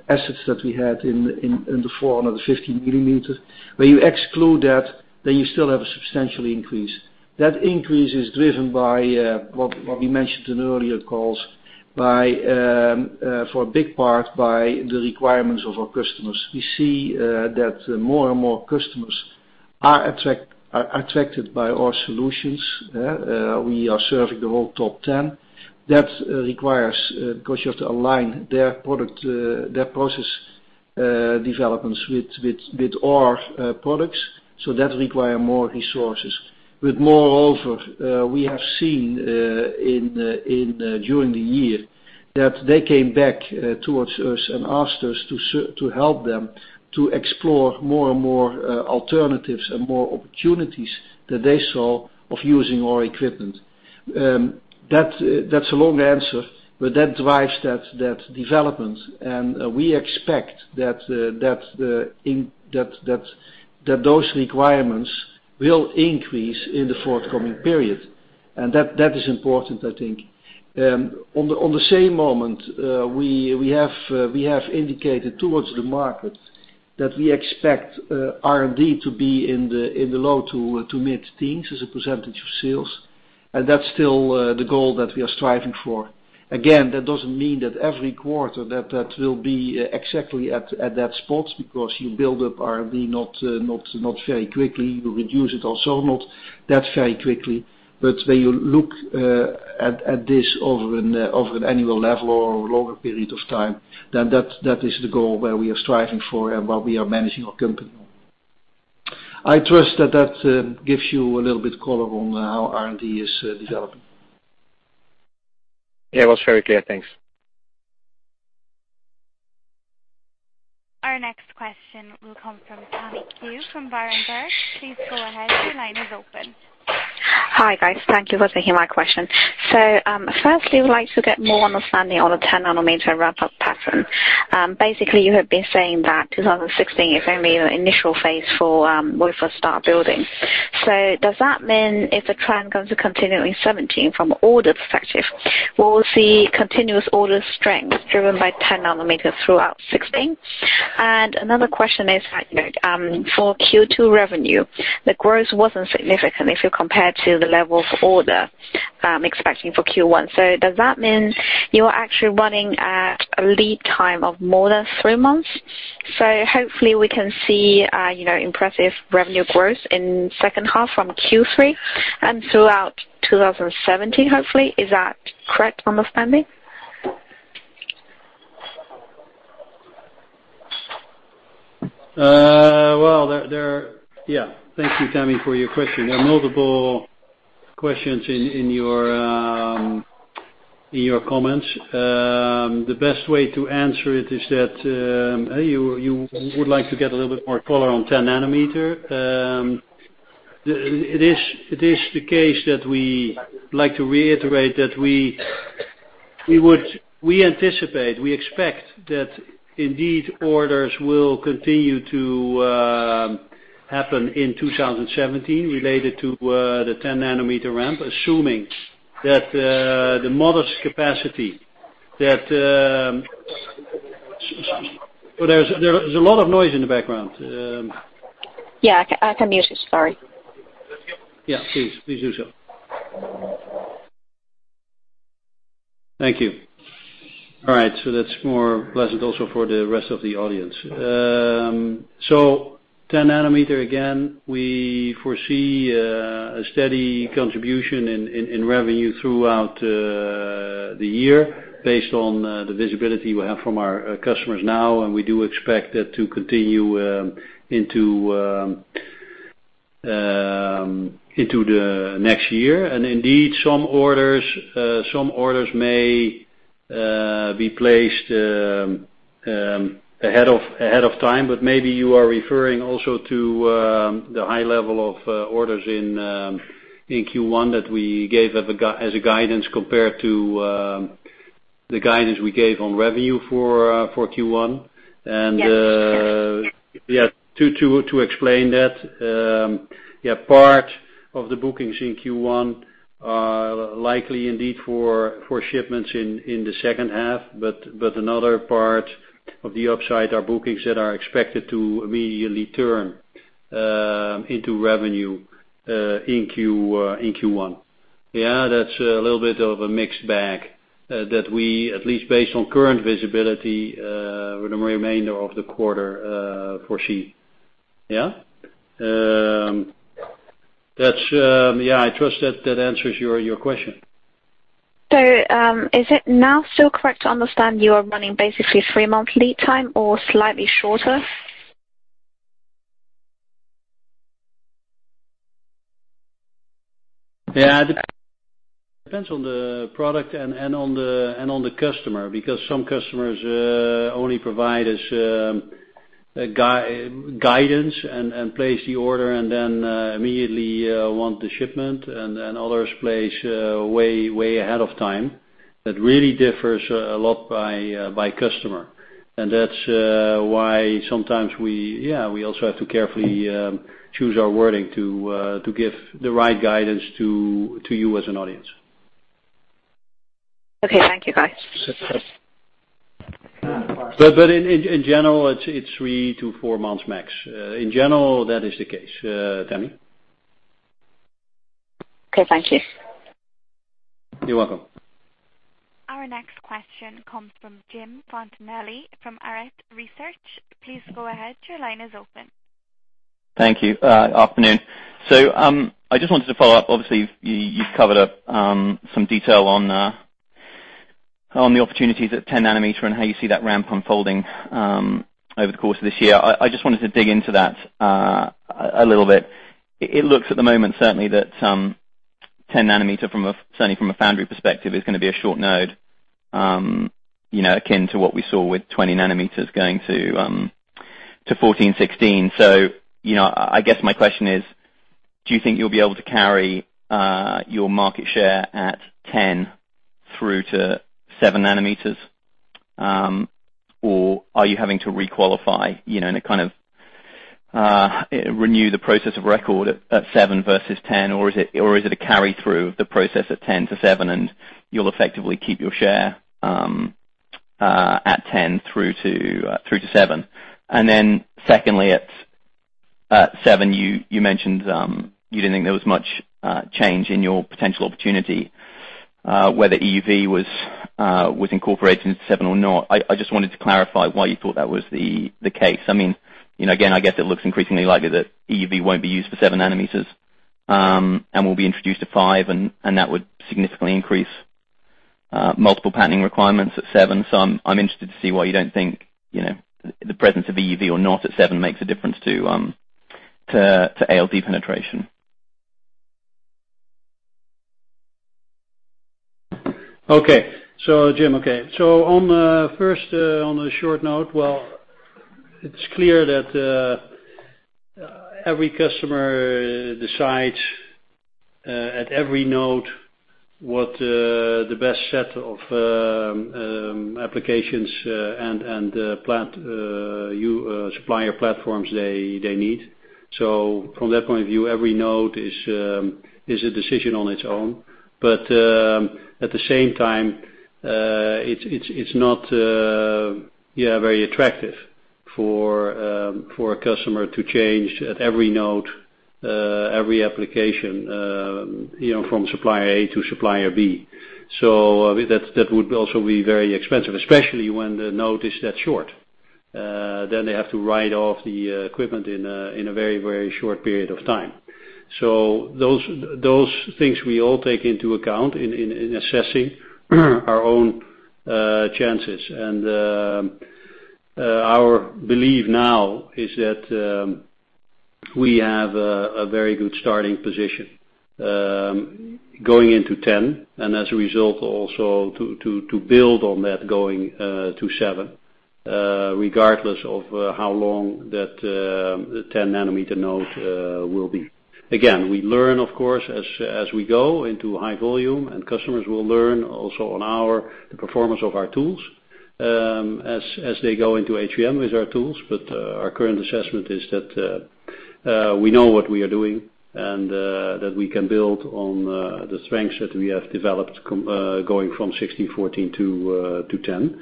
assets that we had in the 450-millimeters. When you exclude that, you still have a substantial increase. That increase is driven by what we mentioned in earlier calls, for a big part, by the requirements of our customers. We see that more and more customers are attracted by our solutions. We are serving the whole top 10. That requires, because you have to align their process developments with our products, that require more resources. Moreover, we have seen during the year that they came back towards us and asked us to help them to explore more and more alternatives and more opportunities that they saw of using our equipment. That's a long answer. That drives that development, and we expect that those requirements will increase in the forthcoming period. That is important, I think. On the same moment, we have indicated towards the market that we expect R&D to be in the low to mid-teens as a percentage of sales. That's still the goal that we are striving for. Again, that doesn't mean that every quarter that that will be exactly at that spot, because you build up R&D not very quickly. You reduce it also not that very quickly. When you look at this over an annual level or a longer period of time, that is the goal where we are striving for and what we are managing our company on. I trust that that gives you a little bit of color on how R&D is developing. Yeah, it was very clear. Thanks. Our next question will come from Tammy Qiu from Berenberg. Please go ahead. Your line is open. Hi, guys. Thank you for taking my question. Firstly, we'd like to get more understanding on the 10 nanometer ramp-up pattern. Basically, you have been saying that 2016 is only the initial phase for what if we start building. Does that mean if the trend continues to continue in 2017 from orders perspective, will we see continuous order strength driven by 10 nanometer throughout 2016? Another question is for Q2 revenue, the growth wasn't significant if you compare to the level of order expecting for Q1. Does that mean you are actually running at a lead time of more than three months? Hopefully we can see impressive revenue growth in second half from Q3 and throughout 2017, hopefully. Is that correct understanding? Well, thank you, Tammy, for your question. There are multiple questions in your comments. The best way to answer it is that you would like to get a little bit more color on 10 nanometer. It is the case that we like to reiterate that we anticipate, we expect that indeed orders will continue to happen in 2017 related to the 10 nanometer ramp, assuming that the modest capacity that There's a lot of noise in the background. Yeah, I can mute it. Sorry. Please. Please do so. Thank you. All right, that's more pleasant also for the rest of the audience. 10 nanometer, again, we foresee a steady contribution in revenue throughout the year based on the visibility we have from our customers now, and we do expect that to continue into the next year. Indeed, some orders may be placed ahead of time, but maybe you are referring also to the high level of orders in Q1 that we gave as a guidance compared to the guidance we gave on revenue for Q1. Yes. To explain that, part of the bookings in Q1 are likely indeed for shipments in the second half. Another part of the upside are bookings that are expected to immediately turn into revenue in Q1. That's a little bit of a mixed bag that we, at least based on current visibility, for the remainder of the quarter, foresee. I trust that that answers your question. Is it now still correct to understand you are running basically a three-month lead time or slightly shorter? It depends on the product and on the customer, because some customers only provide us guidance and place the order, and then immediately want the shipment, and others place way ahead of time. That really differs a lot by customer. That's why sometimes we also have to carefully choose our wording to give the right guidance to you as an audience. Okay, thank you, guys. In general, it's three to four months max. In general, that is the case, Tammy. Okay, thank you. You're welcome. Our next question comes from Jim Fontanelli from Arete Research. Please go ahead. Your line is open. Thank you. Afternoon. I just wanted to follow up. Obviously, you've covered up some detail on the opportunities at 10 nanometer and how you see that ramp unfolding over the course of this year. I just wanted to dig into that a little bit. It looks at the moment, certainly, that 10 nanometer, certainly from a foundry perspective, is going to be a short node, akin to what we saw with 20 nanometers going to 14, 16. I guess my question is, do you think you'll be able to carry your market share at 10 through to seven nanometers? Or are you having to re-qualify, in a kind of renew the process of record at seven versus 10? Or is it a carry through of the process at 10 to seven, and you'll effectively keep your share at 10 through to seven? Secondly, at seven, you mentioned you didn't think there was much change in your potential opportunity, whether EUV was incorporated into seven or not. I just wanted to clarify why you thought that was the case. Again, I guess it looks increasingly likely that EUV won't be used for seven nanometers, and will be introduced to five, and that would significantly increase multiple patterning requirements at seven. I'm interested to see why you don't think, the presence of EUV or not at seven makes a difference to ALD penetration. Okay. Jim, okay. First, on a short note, it's clear that every customer decides at every node what the best set of applications and supplier platforms they need. From that point of view, every node is a decision on its own. At the same time, it's not very attractive for a customer to change at every node, every application, from supplier A to supplier B. That would also be very expensive, especially when the node is that short. They have to write off the equipment in a very short period of time. Those things we all take into account in assessing our own chances. Our belief now is that we have a very good starting position, going into 10, and as a result, also to build on that going to seven, regardless of how long that 10 nanometer node will be. We learn, of course, as we go into high volume, and customers will learn also on our performance of our tools, as they go into HVM with our tools. Our current assessment is that we know what we are doing and that we can build on the strengths that we have developed going from 16, 14 to 10.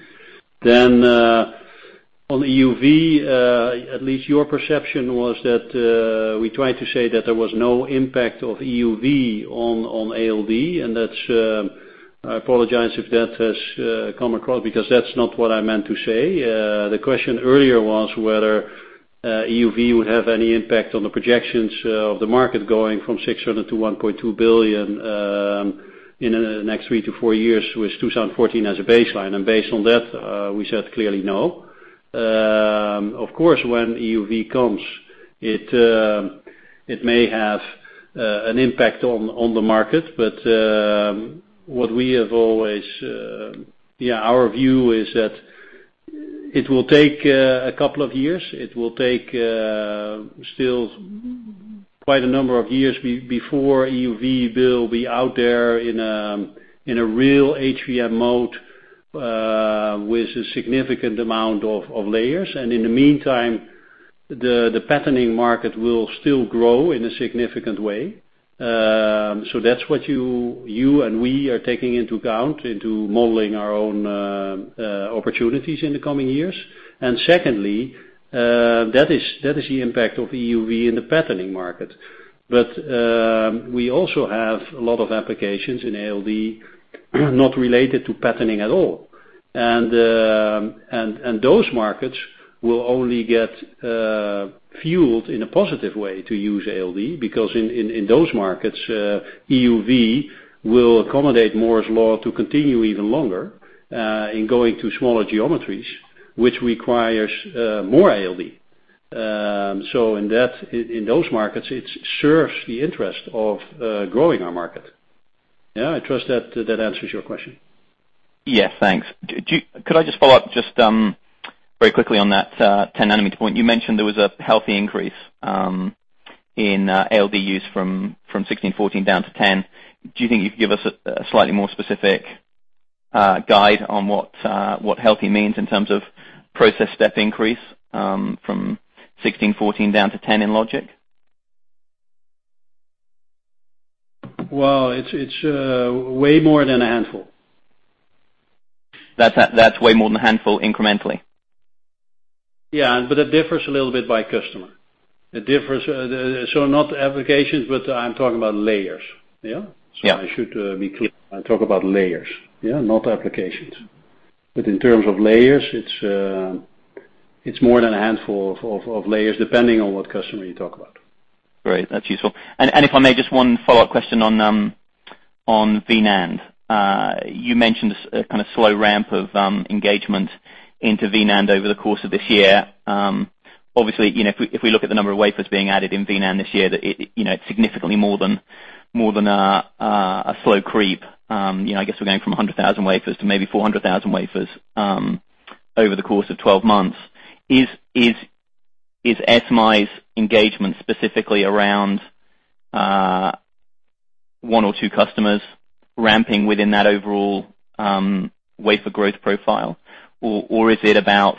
On EUV, at least your perception was that we tried to say that there was no impact of EUV on ALD, and I apologize if that has come across, because that's not what I meant to say. The question earlier was whether EUV would have any impact on the projections of the market going from 600 to 1.2 billion in the next three to four years, with 2014 as a baseline. Based on that, we said clearly, no. Of course, when EUV comes, it may have an impact on the market. Our view is that it will take a couple of years. It will take still quite a number of years before EUV will be out there in a real HVM mode with a significant amount of layers. In the meantime, the patterning market will still grow in a significant way. That's what you and we are taking into account into modeling our own opportunities in the coming years. Secondly, that is the impact of EUV in the patterning market. We also have a lot of applications in ALD not related to patterning at all. Those markets will only get fueled in a positive way to use ALD, because in those markets, EUV will accommodate Moore's Law to continue even longer in going to smaller geometries, which requires more ALD. In those markets, it serves the interest of growing our market. I trust that answers your question. Yes. Thanks. Could I just follow up just very quickly on that 10 nanometer point? You mentioned there was a healthy increase in ALD use from 16, 14 down to 10. Do you think you could give us a slightly more specific guide on what healthy means in terms of process step increase from 16, 14 down to 10 in logic? Well, it's way more than a handful. That's way more than a handful incrementally? Yeah, it differs a little bit by customer. Not applications, but I'm talking about layers. Yeah? Yeah. I should be clear. I talk about layers, not applications. In terms of layers, it's more than a handful of layers, depending on what customer you talk about. Great. That's useful. If I may, just one follow-up question on vNAND. You mentioned a kind of slow ramp of engagement into vNAND over the course of this year. Obviously, if we look at the number of wafers being added in vNAND this year, it's significantly more than a slow creep. I guess we're going from 100,000 wafers to maybe 400,000 wafers over the course of 12 months. Is ASMI's engagement specifically around one or two customers ramping within that overall wafer growth profile? Or is it about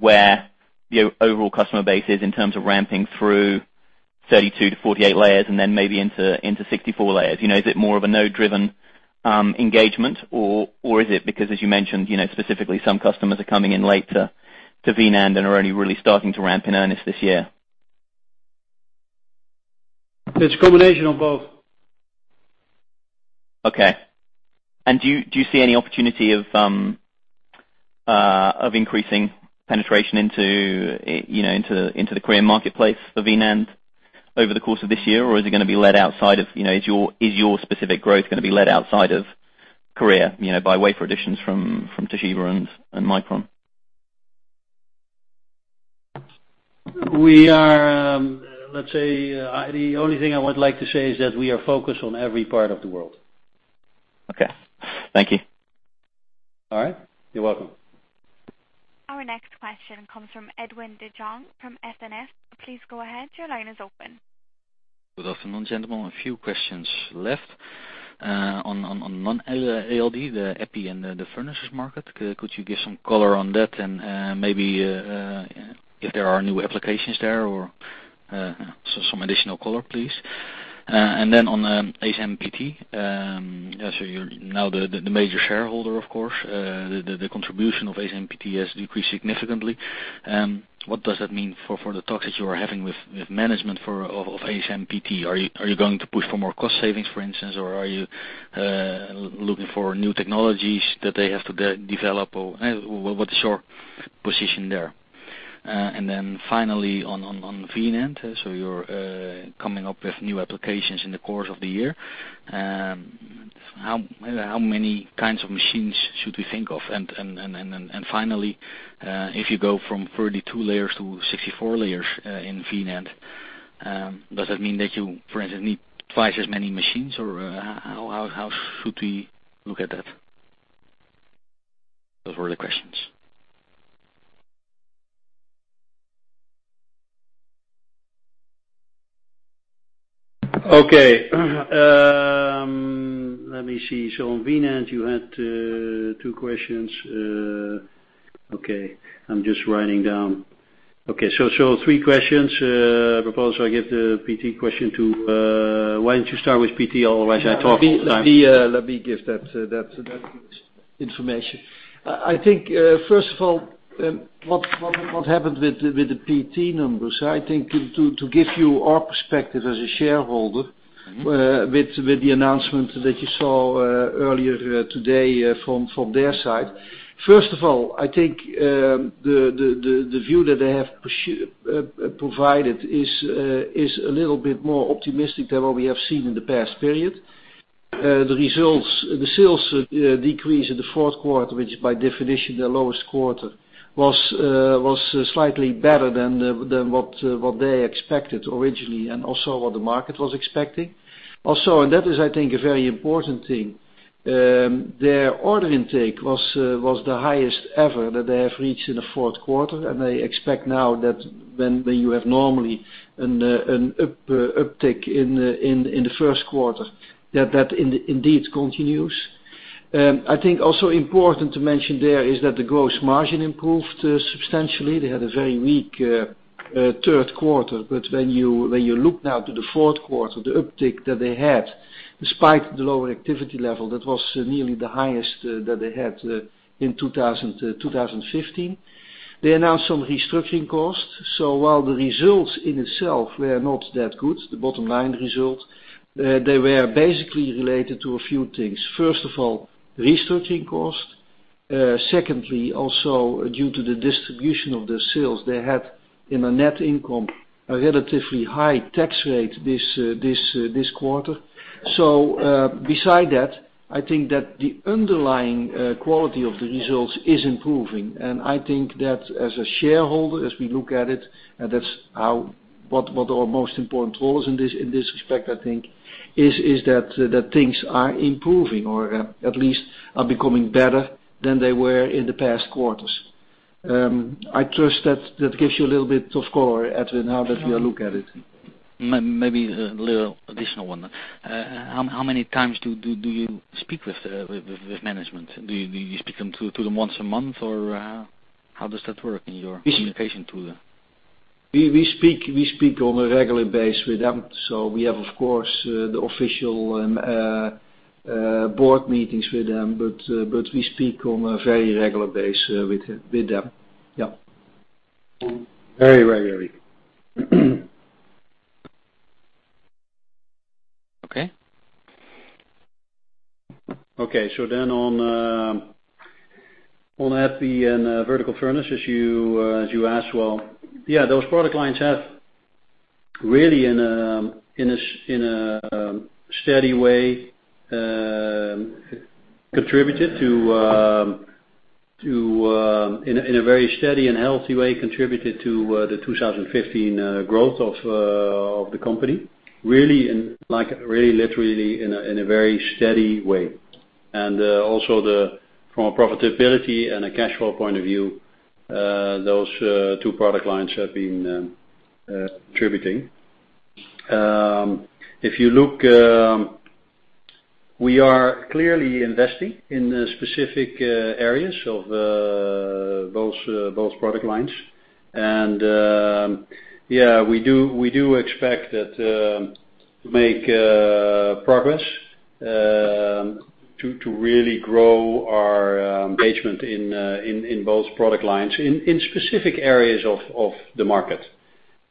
where the overall customer base is in terms of ramping through 32 to 48 layers and then maybe into 64 layers? Is it more of a node-driven engagement? Or is it because, as you mentioned, specifically some customers are coming in late to vNAND and are only really starting to ramp in earnest this year? It's a combination of both. Okay. Do you see any opportunity of increasing penetration into the Korean marketplace for vNAND over the course of this year? Or is it going to be led outside of, is your specific growth going to be led outside of Korea by wafer additions from Toshiba and Micron? Let's say, the only thing I would like to say is that we are focused on every part of the world. Okay. Thank you. All right. You're welcome. Our next question comes from Edwin de Jong from SNS. Please go ahead. Your line is open. Good afternoon, gentlemen. A few questions left. On ALD, the Epitaxy and the furnaces market, could you give some color on that and maybe if there are new applications there or some additional color, please? On the ASMPT, you're now the major shareholder, of course. The contribution of ASMPT has decreased significantly. What does that mean for the talks that you are having with management of ASMPT? Are you going to push for more cost savings, for instance? Or are you looking for new technologies that they have to develop? What's your position there? Finally, on vNAND. You're coming up with new applications in the course of the year. How many kinds of machines should we think of? Finally, if you go from 32 layers to 64 layers in vNAND, does that mean that you, for instance, need twice as many machines? how should we look at that? Those were the questions. Let me see. On V-NAND, you had two questions. I'm just writing down. Three questions. Why don't you start with ASMPT? Otherwise, I talk all the time. Let me give that information. I think, first of all, what happened with the ASMPT numbers? I think to give you our perspective as a shareholder with the announcement that you saw earlier today from their side. First of all, I think the view that they have provided is a little bit more optimistic than what we have seen in the past period. The sales decrease in the fourth quarter, which is by definition their lowest quarter, was slightly better than what they expected originally and also what the market was expecting. That is, I think, a very important thing, their order intake was the highest ever that they have reached in a fourth quarter, and they expect now that when you have normally an uptick in the first quarter, that that indeed continues. I think important to mention there is that the gross margin improved substantially. They had a very weak third quarter. When you look now to the fourth quarter, the uptick that they had, despite the lower activity level, that was nearly the highest that they had in 2015. They announced some restructuring costs. While the results in itself were not that good, the bottom line result, they were basically related to a few things. First of all, restructuring cost. Secondly, due to the distribution of the sales, they had in a net income, a relatively high tax rate this quarter. Beside that, I think that the underlying quality of the results is improving, and I think that as a shareholder, as we look at it, that's how What are our most important tools in this respect, I think, is that things are improving or at least are becoming better than they were in the past quarters. I trust that gives you a little bit of color, Edwin, how that we look at it. Maybe a little additional one. How many times do you speak with management? Do you speak to them once a month, or how does that work in your communication to them? We speak on a regular basis with them. We have, of course, the official board meetings with them, but we speak on a very regular basis with them. Yeah. Very regular. Okay. Okay. On Epitaxy and vertical furnace, as you asked. Well, yeah, those product lines have really, in a very steady and healthy way, contributed to the 2015 growth of the company. Really literally in a very steady way. Also from a profitability and a cash flow point of view, those two product lines have been contributing. If you look, we are clearly investing in specific areas of both product lines. Yeah, we do expect that to make progress, to really grow our engagement in both product lines, in specific areas of the market.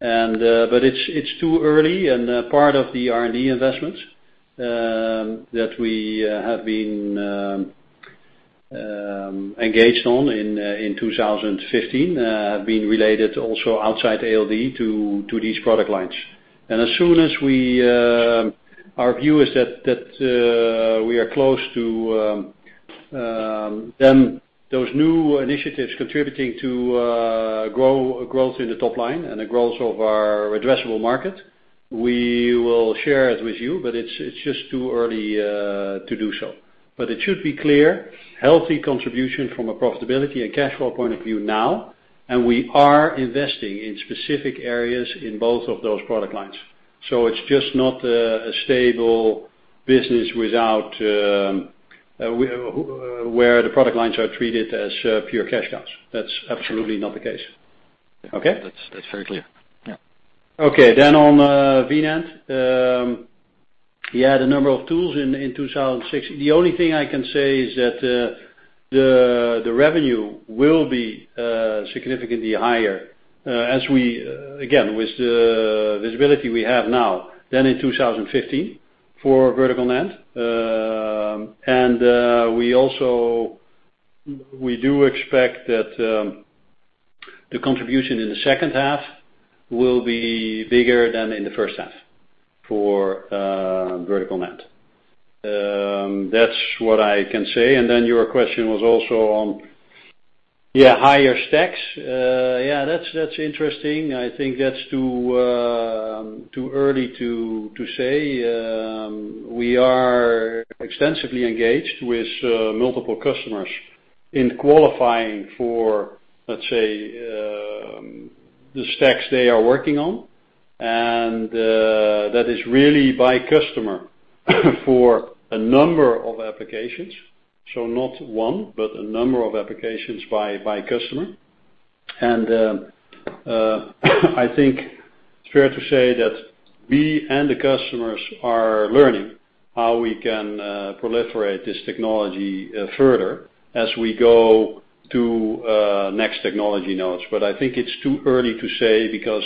It's too early and part of the R&D investments that we have been engaged on in 2015, have been related also outside ALD to these product lines. As soon as our view is that we are close to then those new initiatives contributing to growth in the top line and the growth of our addressable market, we will share it with you, but it's just too early to do so. It should be clear, healthy contribution from a profitability and cash flow point of view now, and we are investing in specific areas in both of those product lines. It's just not a stable business where the product lines are treated as pure cash cows. That's absolutely not the case. Okay? That's very clear. Yeah. On V-NAND. You had a number of tools in 2016. The only thing I can say is that the revenue will be significantly higher, again, with the visibility we have now, than in 2015 for vertical NAND. We do expect that the contribution in the second half will be bigger than in the first half for vertical NAND. That's what I can say. Your question was also on higher stacks. Yeah, that's interesting. I think that's too early to say. We are extensively engaged with multiple customers in qualifying for, let's say, the stacks they are working on. That is really by customer for a number of applications. Not one, but a number of applications by customer. I think it's fair to say that we and the customers are learning how we can proliferate this technology further as we go to next technology nodes. I think it's too early to say, because,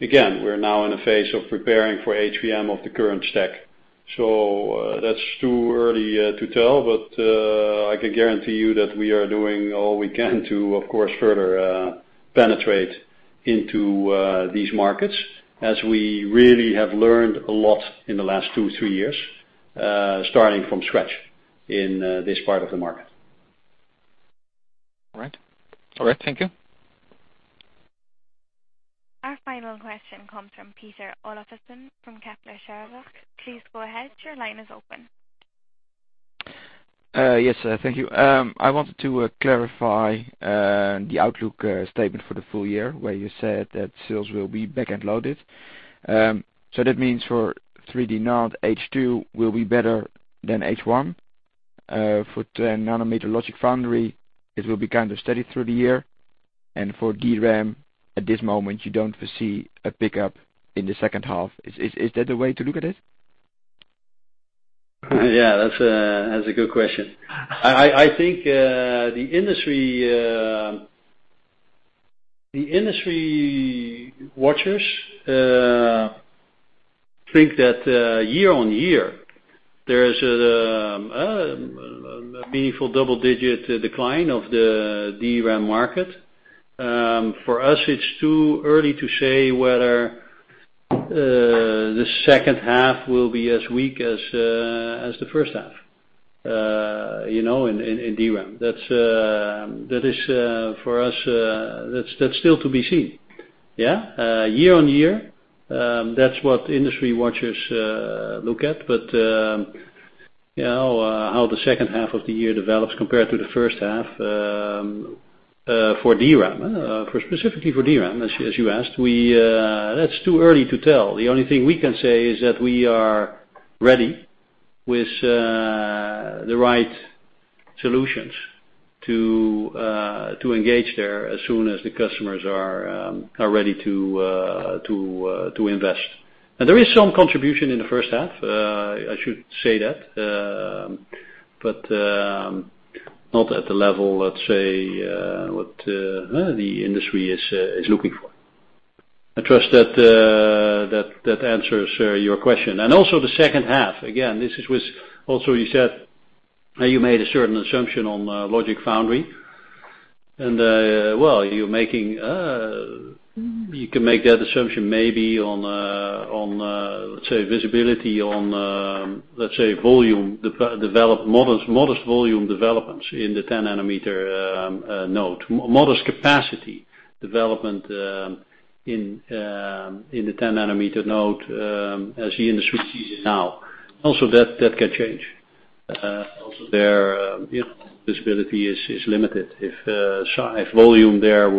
again, we're now in a phase of preparing for HVM of the current stack. That's too early to tell, but I can guarantee you that we are doing all we can to, of course, further penetrate into these markets, as we really have learned a lot in the last two, three years, starting from scratch in this part of the market. All right. Thank you. Our final question comes from Pieter [Oliphasen] from Kepler Cheuvreux. Please go ahead. Your line is open. Yes, thank you. I wanted to clarify the outlook statement for the full year, where you said that sales will be back-end loaded. That means for 3D NAND, H2 will be better than H1. For 10 nanometer logic foundry, it will be kind of steady through the year. For DRAM, at this moment, you don't foresee a pickup in the second half. Is that the way to look at it? That's a good question. I think, the industry watchers think that year on year, there is a meaningful double-digit decline of the DRAM market. For us, it's too early to say whether the second half will be as weak as the first half. In DRAM. That is, for us, that's still to be seen. Year on year, that's what industry watchers look at. How the second half of the year develops compared to the first half, for DRAM, specifically for DRAM, as you asked, that's too early to tell. The only thing we can say is that we are ready with the right solutions to engage there as soon as the customers are ready to invest. There is some contribution in the first half, I should say that, but not at the level, let's say, what the industry is looking for. I trust that answers your question. Also the second half, again, also you said that you made a certain assumption on Logic Foundry, you can make that assumption maybe on, let's say, modest volume developments in the 10-nanometer node. Modest capacity development in the 10-nanometer node, as the industry sees it now. That can change. There, visibility is limited. If volume there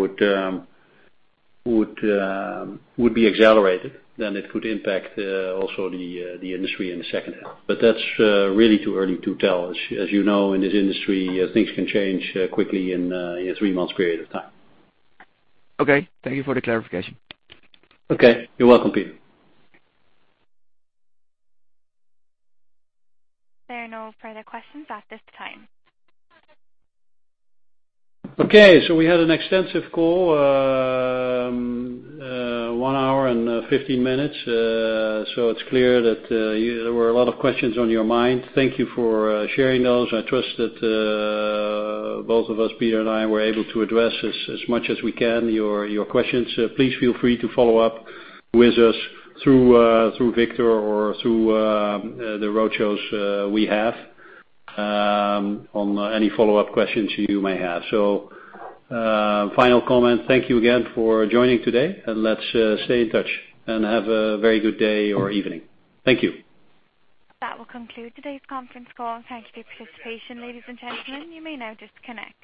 would be accelerated, then it could impact also the industry in the second half. That's really too early to tell. As you know, in this industry, things can change quickly in a three-month period of time. Okay. Thank you for the clarification. Okay. You're welcome, Peter. There are no further questions at this time. Okay, we had an extensive call, one hour and 15 minutes. It's clear that there were a lot of questions on your mind. Thank you for sharing those. I trust that both of us, Peter and I, were able to address as much as we can your questions. Please feel free to follow up with us through Victor or through the roadshows we have, on any follow-up questions you may have. Final comment, thank you again for joining today and let's stay in touch and have a very good day or evening. Thank you. That will conclude today's conference call. Thank you for your participation, ladies and gentlemen. You may now disconnect.